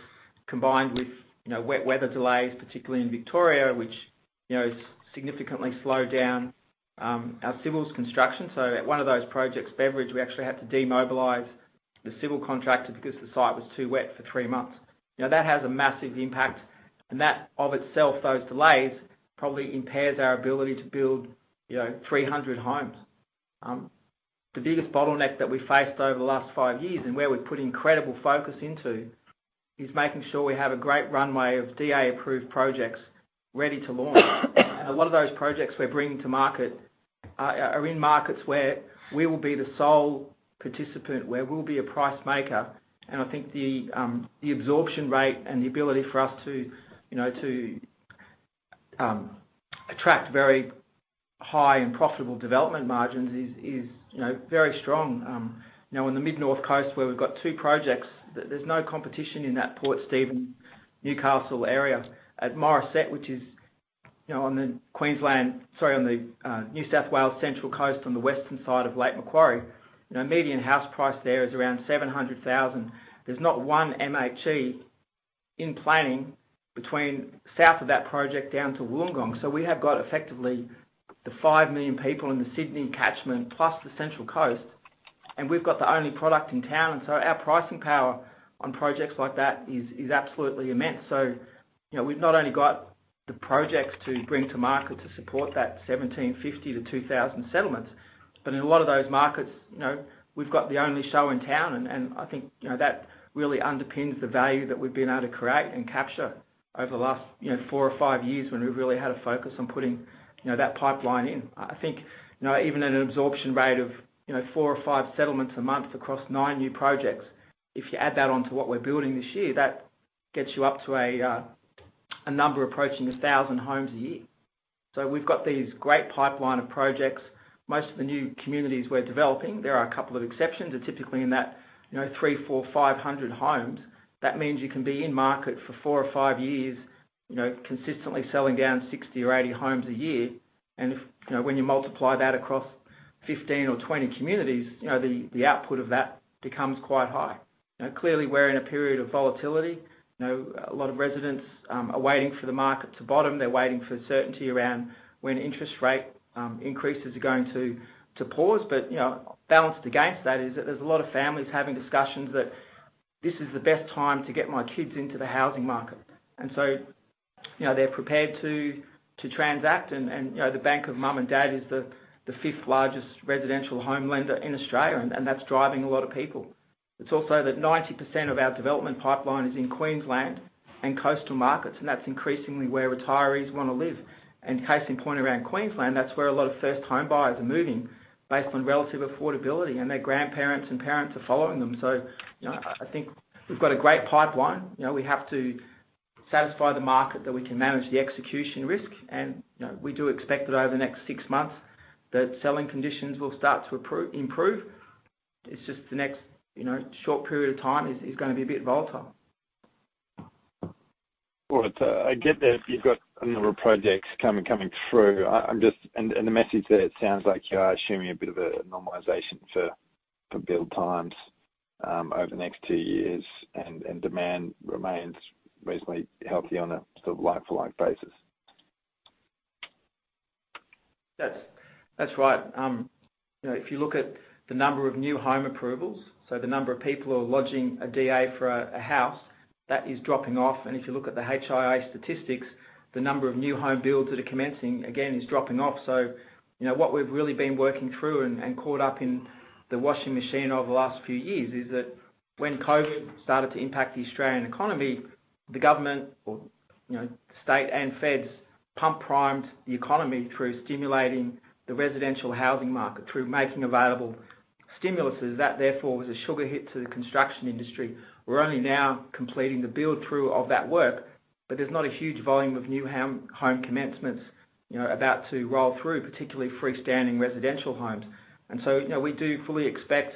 combined with, you know, wet weather delays, particularly in Victoria, which, you know, has significantly slowed down our civils construction. At one of those projects, Beveridge, we actually had to demobilize the civil contractor because the site was too wet for three months. You know, that has a massive impact, and that of itself, those delays probably impairs our ability to build, you know, 300 homes. The biggest bottleneck that we faced over the last five years and where we've put incredible focus into is making sure we have a great runway of DA-approved projects ready to launch. A lot of those projects we're bringing to market are in markets where we will be the sole participant, where we'll be a price maker. I think the absorption rate and the ability for us to, you know, to attract very high and profitable development margins is, you know, very strong. You know, in the Mid North Coast where we've got two projects, there's no competition in that Port Stephens, Newcastle area. At Morisset, which is, you know, on the New South Wales Central Coast on the western side of Lake Macquarie, you know, median house price there is around 700,000. There's not one MHE in planning between south of that project down to Wollongong. We have got effectively the 5 million people in the Sydney catchment plus the Central Coast, and we've got the only product in town. Our pricing power on projects like that is absolutely immense. You know, we've not only got the projects to bring to market to support that 1,750-2,000 settlements, but in a lot of those markets, you know, we've got the only show in town, and I think, you know, that really underpins the value that we've been able to create and capture over the last, you know, four or five years when we've really had a focus on putting, you know, that pipeline in. I think, you know, even at an absorption rate of, you know, four or five settlements a month across nine new projects, if you add that onto what we're building this year, that gets you up to a number approaching 1,000 homes a year. We've got these great pipeline of projects. Most of the new communities we're developing, there are a couple of exceptions, are typically in that, you know, 3, 4, 500 homes. That means you can be in market for four or five years, you know, consistently selling down 60 or 80 homes a year. You know, when you multiply that across 15 or 20 communities, you know, the output of that becomes quite high. You know, clearly we're in a period of volatility. You know, a lot of residents are waiting for the market to bottom. They're waiting for certainty around when interest rate increases are going to pause. You know, balanced against that is that there's a lot of families having discussions that, "This is the best time to get my kids into the housing market." You know, they're prepared to transact and, you know, the bank of mum and dad is the fifth largest residential home lender in Australia, and that's driving a lot of people. It's also that 90% of our development pipeline is in Queensland and coastal markets, and that's increasingly where retirees wanna live. Case in point around Queensland, that's where a lot of first home buyers are moving based on relative affordability, and their grandparents and parents are following them. You know, I think we've got a great pipeline. You know, we have to satisfy the market that we can manage the execution risk and, you know, we do expect that over the next six months, that selling conditions will start to improve. It's just the next, you know, short period of time is gonna be a bit volatile. All right. I get that you've got a number of projects coming through. The message there, it sounds like you are assuming a bit of a normalization for build times over the next two years and demand remains reasonably healthy on a sort of like-for-like basis. That's right. you know, if you look at the number of new home approvals, so the number of people who are lodging a DA for a house, that is dropping off. If you look at the HIA statistics, the number of new home builds that are commencing, again, is dropping off. you know, what we've really been working through and caught up in the washing machine over the last few years is that when COVID started to impact the Australian economy, the government or, you know, state and feds pump primed the economy through stimulating the residential housing market, through making available stimuluses. That therefore was a sugar hit to the construction industry. We're only now completing the build through of that work, but there's not a huge volume of new home commencements, you know, about to roll through, particularly freestanding residential homes. You know, we do fully expect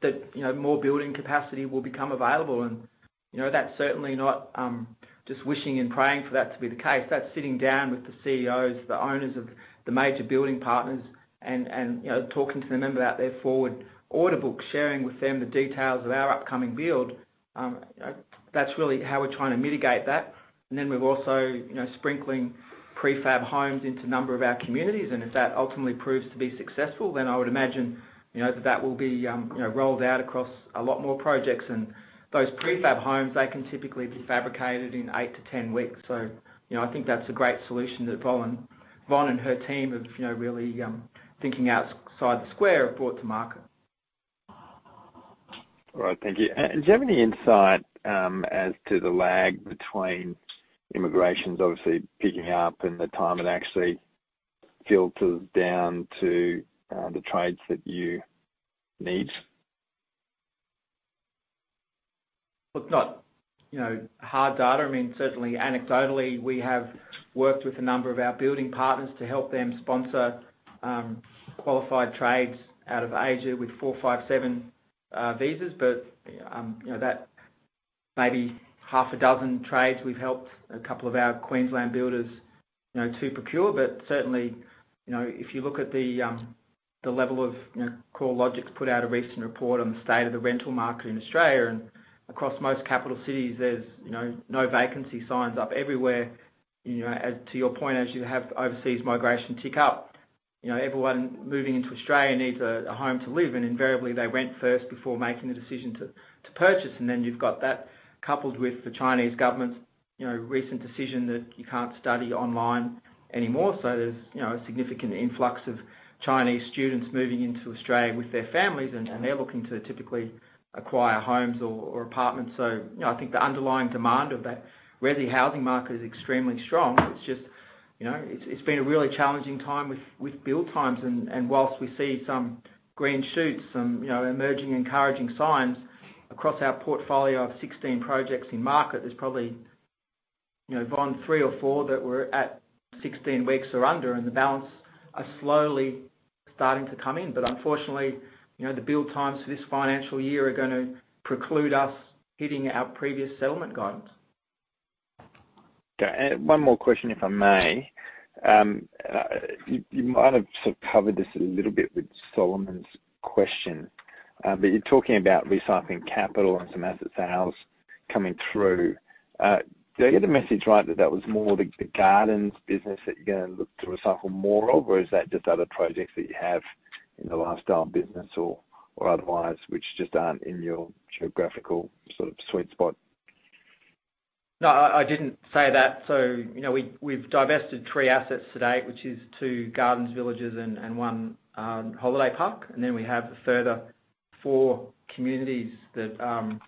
that, you know, more building capacity will become available and, you know, that's certainly not, just wishing and praying for that to be the case. That's sitting down with the CEOs, the owners of the major building partners and, you know, talking to them about their forward order book, sharing with them the details of our upcoming build. That's really how we're trying to mitigate that. We're also, you know, sprinkling prefab homes into a number of our communities, and if that ultimately proves to be successful, then I would imagine, you know, that that will be, you know, rolled out across a lot more projects. Those prefab homes, they can typically be fabricated in eight to 10 weeks. you know, I think that's a great solution that Yvonne and her team have, you know, really, thinking outside the square have brought to market. All right. Thank you. Do you have any insight as to the lag between immigrations obviously picking up and the time it actually filters down to the trades that you need? Look, not, you know, hard data. I mean, certainly anecdotally, we have worked with a number of our building partners to help them sponsor qualified trades out of Asia with 457 visas. You know, that maybe half a dozen trades we've helped a couple of our Queensland builders, you know, to procure. Certainly, you know, if you look at CoreLogic's put out a recent report on the state of the rental market in Australia and across most capital cities there's, you know, no vacancy signs up everywhere. You know, as to your point, as you have overseas migration tick up, you know, everyone moving into Australia needs a home to live and invariably they rent first before making the decision to purchase. You've got that coupled with the Chinese government's, you know, recent decision that you can't study online anymore. There's, you know, a significant influx of Chinese students moving into Australia with their families and they're looking to typically acquire homes or apartments. You know, I think the underlying demand of that resi housing market is extremely strong. It's just, you know, it's been a really challenging time with build times and whilst we see some green shoots, some, you know, emerging encouraging signs across our portfolio of 16 projects in market, there's probably, you know, Yvonne, 3 or 4 that were at 16 weeks or under, and the balance are slowly starting to come in. Unfortunately, you know, the build times for this financial year are gonna preclude us hitting our previous settlement guidance. Okay. One more question, if I may. You might have sort of covered this a little bit with Solomon's question. You're talking about recycling capital and some asset sales coming through. Did I get the message right that that was more the gardens business that you're gonna look to recycle more of? Is that just other projects that you have in the lifestyle business or otherwise, which just aren't in your geographical sort of sweet spot? No, I didn't say that. You know, we've divested three assets to date, which is two Ingenia Gardens villages and 1 holiday park. We have a further four communities that,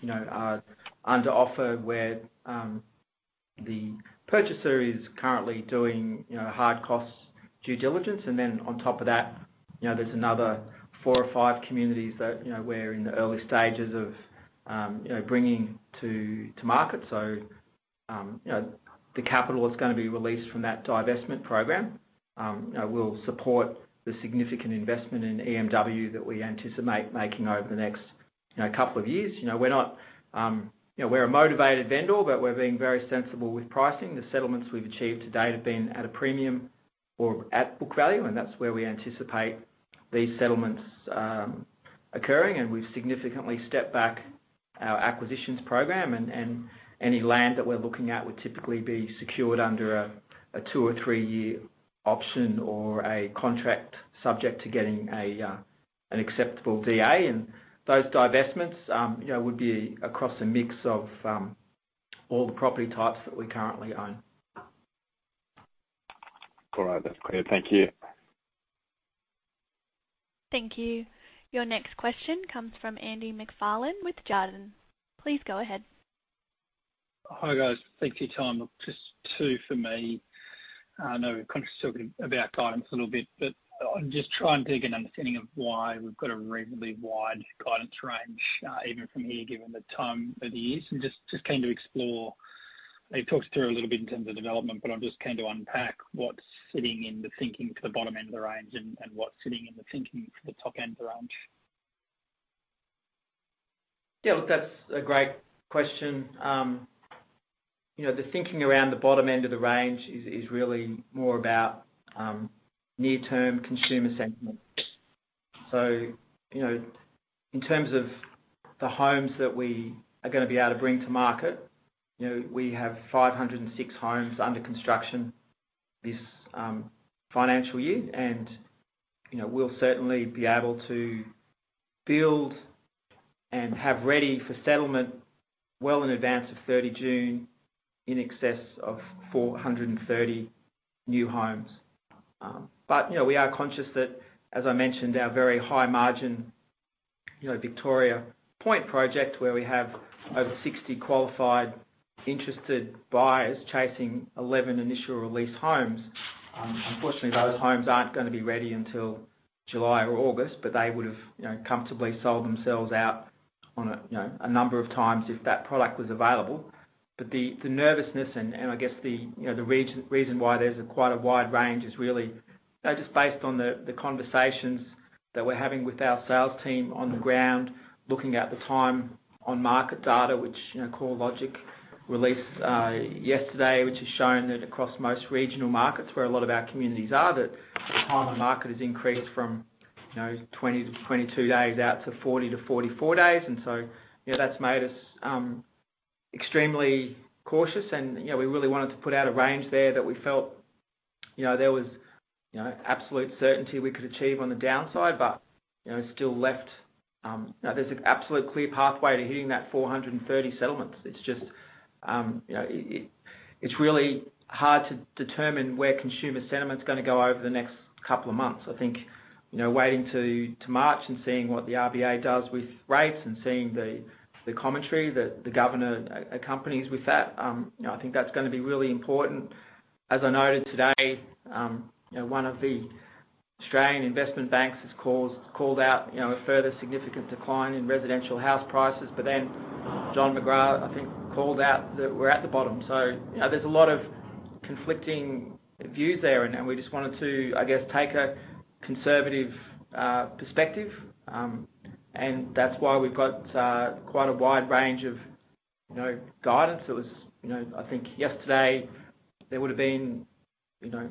you know, are under offer, where the purchaser is currently doing, you know, hard cost due diligence. On top of that, you know, there's another four or five communities that, you know, we're in the early stages of bringing to market. You know, the capital is gonna be released from that divestment program. We'll support the significant investment in EMW that we anticipate making over the next, you know, couple of years. You know, we're not, you know, we're a motivated vendor, but we're being very sensible with pricing. The settlements we've achieved to date have been at a premium or at book value, and that's where we anticipate these settlements occurring, and we've significantly stepped back our acquisitions program and any land that we're looking at would typically be secured under a two or three-year option or a contract subject to getting an acceptable DA. Those divestments, you know, would be across a mix of all the property types that we currently own. All right. That's clear. Thank you. Thank you. Your next question comes from Andrew MacFarlane with Jarden. Please go ahead. Hi, guys. Thanks for your time. Just two for me. I know we're conscious talking about guidance a little bit. I'm just trying to get an understanding of why we've got a reasonably wide guidance range even from here, given the time of the year. Just keen to explore. You talked us through a little bit in terms of development. I'm just keen to unpack what's sitting in the thinking for the bottom end of the range and what's sitting in the thinking for the top end of the range. Yeah, look, that's a great question. you know, the thinking around the bottom end of the range is really more about near-term consumer sentiment. you know, in terms of the homes that we are gonna be able to bring to market, you know, we have 506 homes under construction this financial year. you know, we'll certainly be able to build and have ready for settlement well in advance of thirty June in excess of 430 new homes. You know, we are conscious that, as I mentioned, our very high margin, you know, Victoria Point project, where we have over 60 qualified, interested buyers chasing 11 initial release homes, unfortunately those homes aren't gonna be ready until July or August, but they would've, you know, comfortably sold themselves out on a, you know, a number of times if that product was available. The nervousness and I guess the, you know, reason why there's a quite a wide range is really, you know, just based on the conversations that we're having with our sales team on the ground, looking at the time on market data, which, you know, CoreLogic released yesterday, which has shown that across most regional markets where a lot of our communities are, that the time on market has increased from, you know, 20-22 days out to 40-44 days. You know, that's made us extremely cautious and, you know, we really wanted to put out a range there that we felt, you know, there was, you know, absolute certainty we could achieve on the downside, but, you know, still left, you know, there's an absolute clear pathway to hitting that 430 settlements. It's just, you know, it's really hard to determine where consumer sentiment's gonna go over the next couple of months. I think, you know, waiting to March and seeing what the RBA does with rates and seeing the commentary that the governor accompanies with that, you know, I think that's gonna be really important. As I noted today, you know, one of the Australian investment banks called out, you know, a further significant decline in residential house prices. John McGrath, I think, called out that we're at the bottom. You know, there's a lot of conflicting views there and we just wanted to, I guess, take a conservative perspective, and that's why we've got quite a wide range of, you know, guidance. It was... You know, I think yesterday there would've been, you know,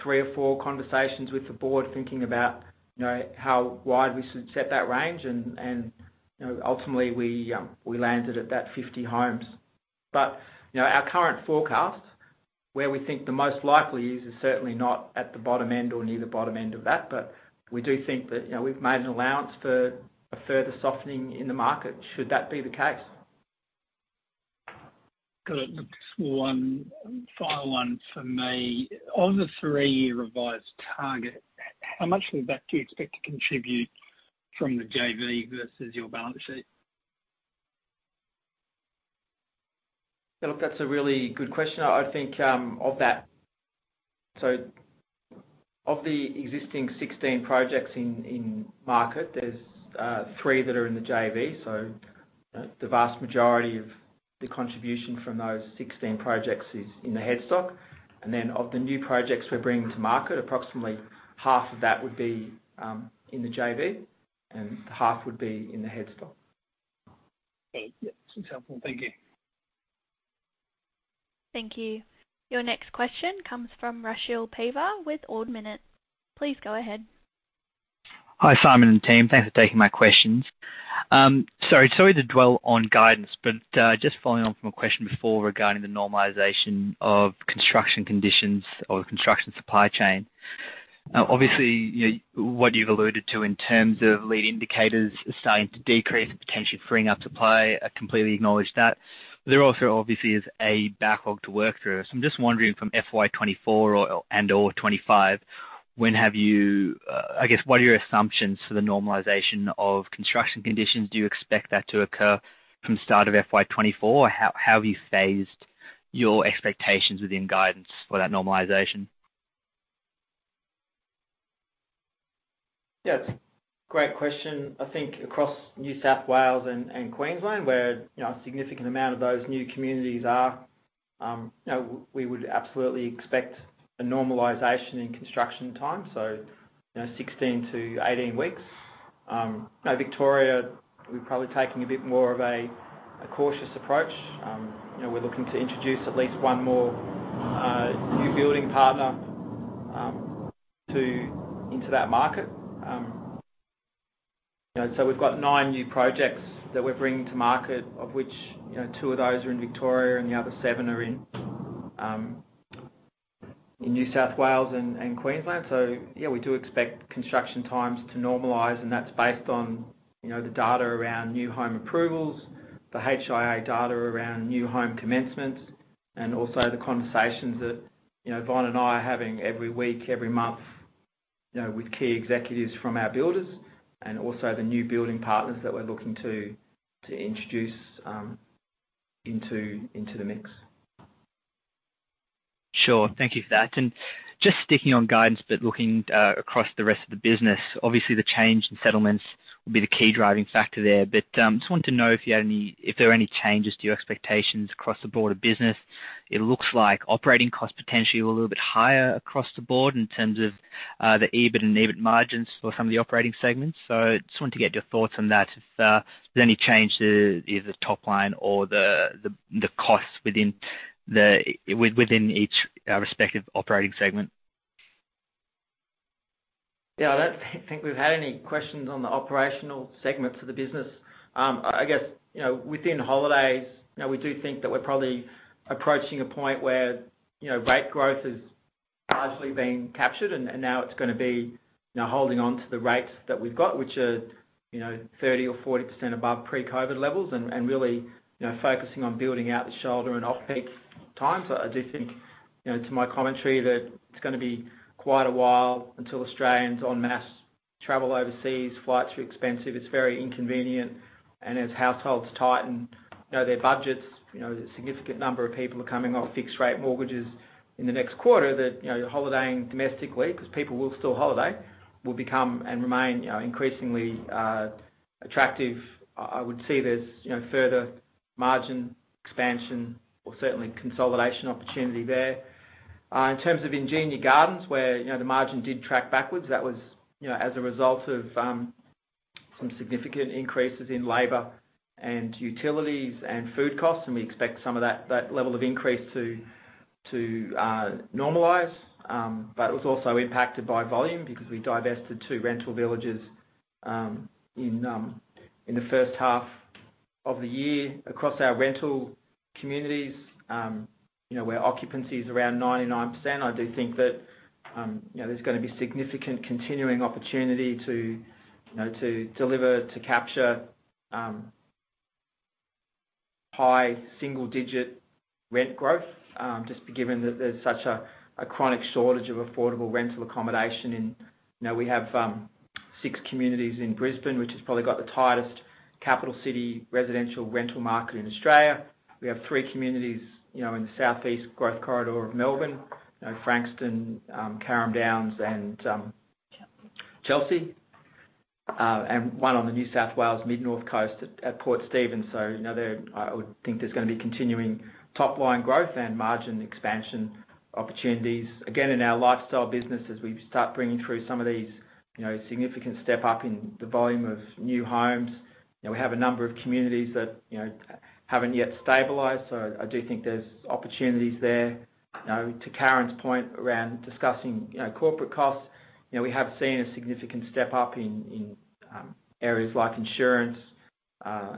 three or four conversations with the board thinking about, you know, how wide we should set that range and, you know, ultimately we landed at that 50 homes. You know, our current forecast, where we think the most likely is certainly not at the bottom end or near the bottom end of that. We do think that, you know, we've made an allowance for a further softening in the market, should that be the case. Got it. Just one final one from me. Of the three-year revised target, how much of that do you expect to contribute from the JV versus your balance sheet? Look, that's a really good question. I think, of the existing 16 projects in market, there's, three that are in the JV. The vast majority of the contribution from those 16 projects is in the headstock. Of the new projects we're bringing to market, approximately half of that would be, in the JV and half would be in the headstock. Yeah. That's helpful. Thank you. Thank you. Your next question comes from Rushil Paiva with Ord Minnett. Please go ahead. Hi, Simon and team. Thanks for taking my questions. sorry to dwell on guidance, just following on from a question before regarding the normalization of construction conditions or the construction supply chain. obviously, you know, what you've alluded to in terms of lead indicators starting to decrease and potentially freeing up supply, I completely acknowledge that. There also obviously is a backlog to work through. I'm just wondering from FY 2024 or, and/or 2025, when have you. I guess, what are your assumptions for the normalization of construction conditions? Do you expect that to occur from the start of FY 2024? How have you phased your expectations within guidance for that normalization? Yes, great question. I think across New South Wales and Queensland, where, you know, a significant amount of those new communities are, you know, we would absolutely expect a normalization in construction time, so, you know, 16-18 weeks. Now Victoria, we're probably taking a bit more of a cautious approach. You know, we're looking to introduce at least one more new building partner into that market. You know, so we've got nine new projects that we're bringing to market, of which, you know, two of those are in Victoria, and the other seven are in New South Wales and Queensland. Yeah, we do expect construction times to normalize, and that's based on, you know, the data around new home approvals, the HIA data around new home commencements, and also the conversations that, you know, Vaughn and I are having every week, every month, you know, with key executives from our builders and also the new building partners that we're looking to introduce, into the mix. Sure. Thank you for that. Just sticking on guidance, but looking across the rest of the business, obviously the change in settlements will be the key driving factor there. Just wanted to know if there are any changes to your expectations across the board of business. It looks like operating costs potentially were a little bit higher across the board in terms of the EBIT and EBIT margins for some of the operating segments. Just wanted to get your thoughts on that. If there's any change to either the top line or the costs within each respective operating segment. I don't think we've had any questions on the operational segments of the business. I guess, you know, within holidays, you know, we do think that we're probably approaching a point where, you know, rate growth is largely being captured, and now it's gonna be, you know, holding on to the rates that we've got, which are, you know, 30% or 40% above pre-COVID levels, and really, you know, focusing on building out the shoulder and off-peak times. I do think, you know, to my commentary, that it's gonna be quite a while until Australians en masse travel overseas. Flights are expensive, it's very inconvenient. As households tighten, you know, their budgets, you know, a significant number of people are coming off fixed rate mortgages in the next quarter that, you know, holidaying domestically, because people will still holiday, will become and remain, you know, increasingly attractive. I would see there's, you know, further margin expansion or certainly consolidation opportunity there. In terms of Ingenia Gardens, where, you know, the margin did track backwards, that was, you know, as a result of some significant increases in labor and utilities and food costs, and we expect some of that level of increase to normalize. It was also impacted by volume because we divested two rental villages in the first half of the year. Across our rental communities, you know, where occupancy is around 99%, I do think that, you know, there's gonna be significant continuing opportunity to, you know, to deliver, to capture, high single-digit rent growth, just given that there's such a chronic shortage of affordable rental accommodation in. You know, we have six communities in Brisbane, which has probably got the tightest capital city residential rental market in Australia. We have three communities, you know, in the southeast growth corridor of Melbourne, you know, Frankston, Carrum Downs, and Chelsea. And one on the New South Wales mid-north coast at Port Stephens. You know, there I would think there's gonna be continuing top line growth and margin expansion opportunities. Again, in our lifestyle business, as we start bringing through some of these, you know, significant step up in the volume of new homes, you know, we have a number of communities that, you know, haven't yet stabilized, so I do think there's opportunities there. You know, to Karen's point around discussing, you know, corporate costs, you know, we have seen a significant step up in areas like insurance,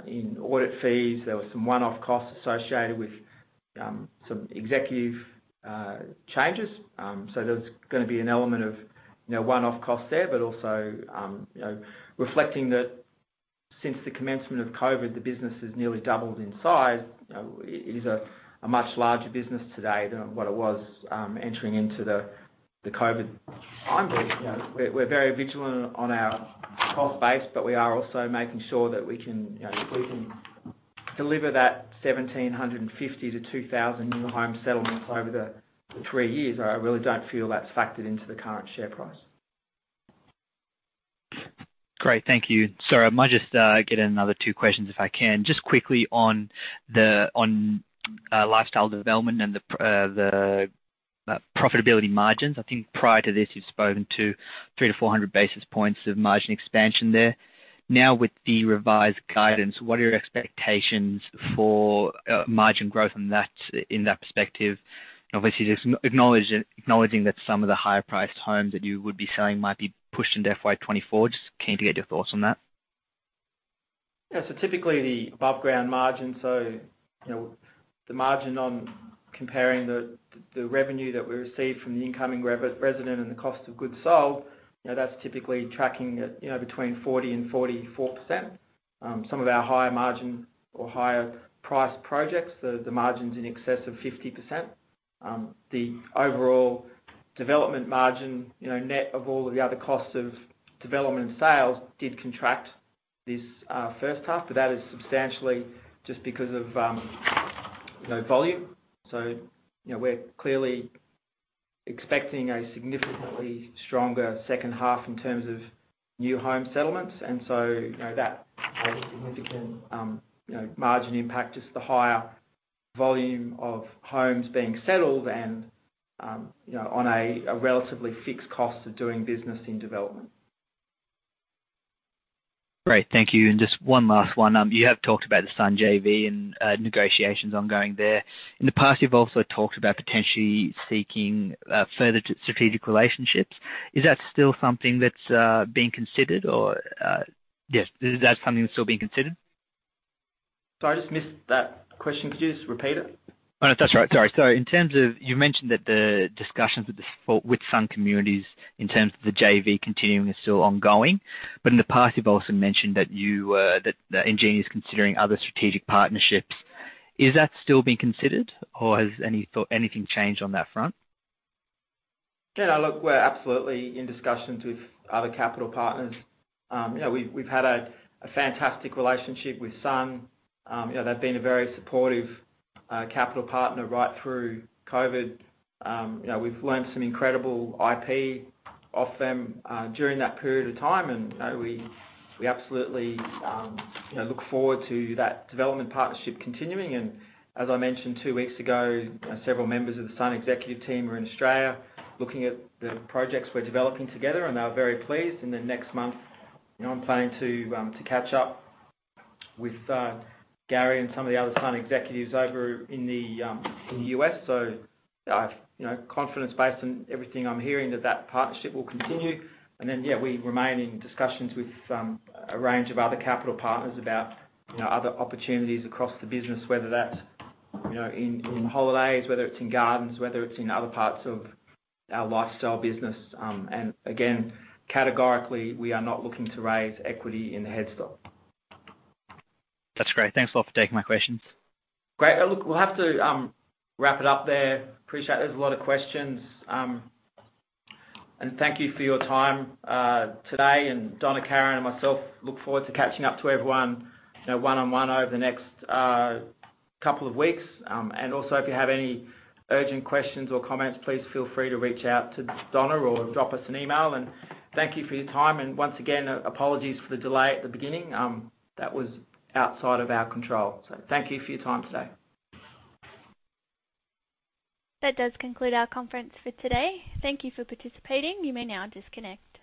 in audit fees. There were some one-off costs associated with some executive changes. There's gonna be an element of, you know, one-off costs there, but also, you know, reflecting that since the commencement of COVID, the business has nearly doubled in size. It is a much larger business today than what it was, entering into the COVID time being. You know, we're very vigilant on our cost base, but we are also making sure that we can, you know, if we can deliver that 1,750 to 2,000 new home settlements over the three years, I really don't feel that's factored into the current share price. Great. Thank you. Sorry, I might just get in another two questions if I can. Just quickly on the lifestyle development and the profitability margins. I think prior to this you've spoken to 300-400 basis points of margin expansion there. Now, with the revised guidance, what are your expectations for margin growth in that perspective? Obviously, just acknowledging that some of the higher priced homes that you would be selling might be pushed into FY 2024. Just keen to get your thoughts on that. Yeah. Typically the above ground margin, so, you know, the margin on comparing the revenue that we receive from the incoming resi-resident and the cost of goods sold, you know, that's typically tracking at, you know, between 40% and 44%. Some of our higher margin or higher priced projects, the margin's in excess of 50%. The overall development margin, you know, net of all of the other costs of development and sales did contract this first half, that is substantially just because of, you know, volume. You know, we're clearly expecting a significantly stronger second half in terms of new home settlements. You know, that has a significant, you know, margin impact, just the higher volume of homes being settled and, you know, on a relatively fixed cost of doing business in development. Great. Thank you. Just one last one. You have talked about the Sun JV and negotiations ongoing there. In the past, you've also talked about potentially seeking further strategic relationships. Is that still something that's being considered? Yes, is that something that's still being considered? Sorry, I just missed that question. Could you just repeat it? Oh, no, that's right. Sorry. In terms of you mentioned that the discussions with Sun Communities in terms of the JV continuing is still ongoing. In the past, you've also mentioned that Ingenia is considering other strategic partnerships. Is that still being considered or has anything changed on that front? No, look, we're absolutely in discussions with other capital partners. you know, we've had a fantastic relationship with Sun. you know, they've been a very supportive capital partner right through COVID. you know, we've learned some incredible IP off them during that period of time. you know, we absolutely, you know, look forward to that development partnership continuing. As I mentioned 2 weeks ago, several members of the Sun executive team are in Australia looking at the projects we're developing together, and they were very pleased. Next month, you know, I'm planning to catch up with Gary and some of the other Sun executives over in the U.S. I've, you know, confidence based on everything I'm hearing that that partnership will continue. We remain in discussions with a range of other capital partners about, you know, other opportunities across the business, whether that's, you know, in holidays, whether it's in Gardens, whether it's in other parts of our lifestyle business. Categorically, we are not looking to raise equity in the headstock. That's great. Thanks a lot for taking my questions. Great. Look, we'll have to wrap it up there. Appreciate there's a lot of questions, and thank you for your time today. Donna, Karen, and myself look forward to catching up to everyone, you know, one-on-one over the next couple of weeks. Also, if you have any urgent questions or comments, please feel free to reach out to Donna or drop us an email. Thank you for your time. Once again, apologies for the delay at the beginning. That was outside of our control. Thank you for your time today. That does conclude our conference for today. Thank you for participating. You may now disconnect.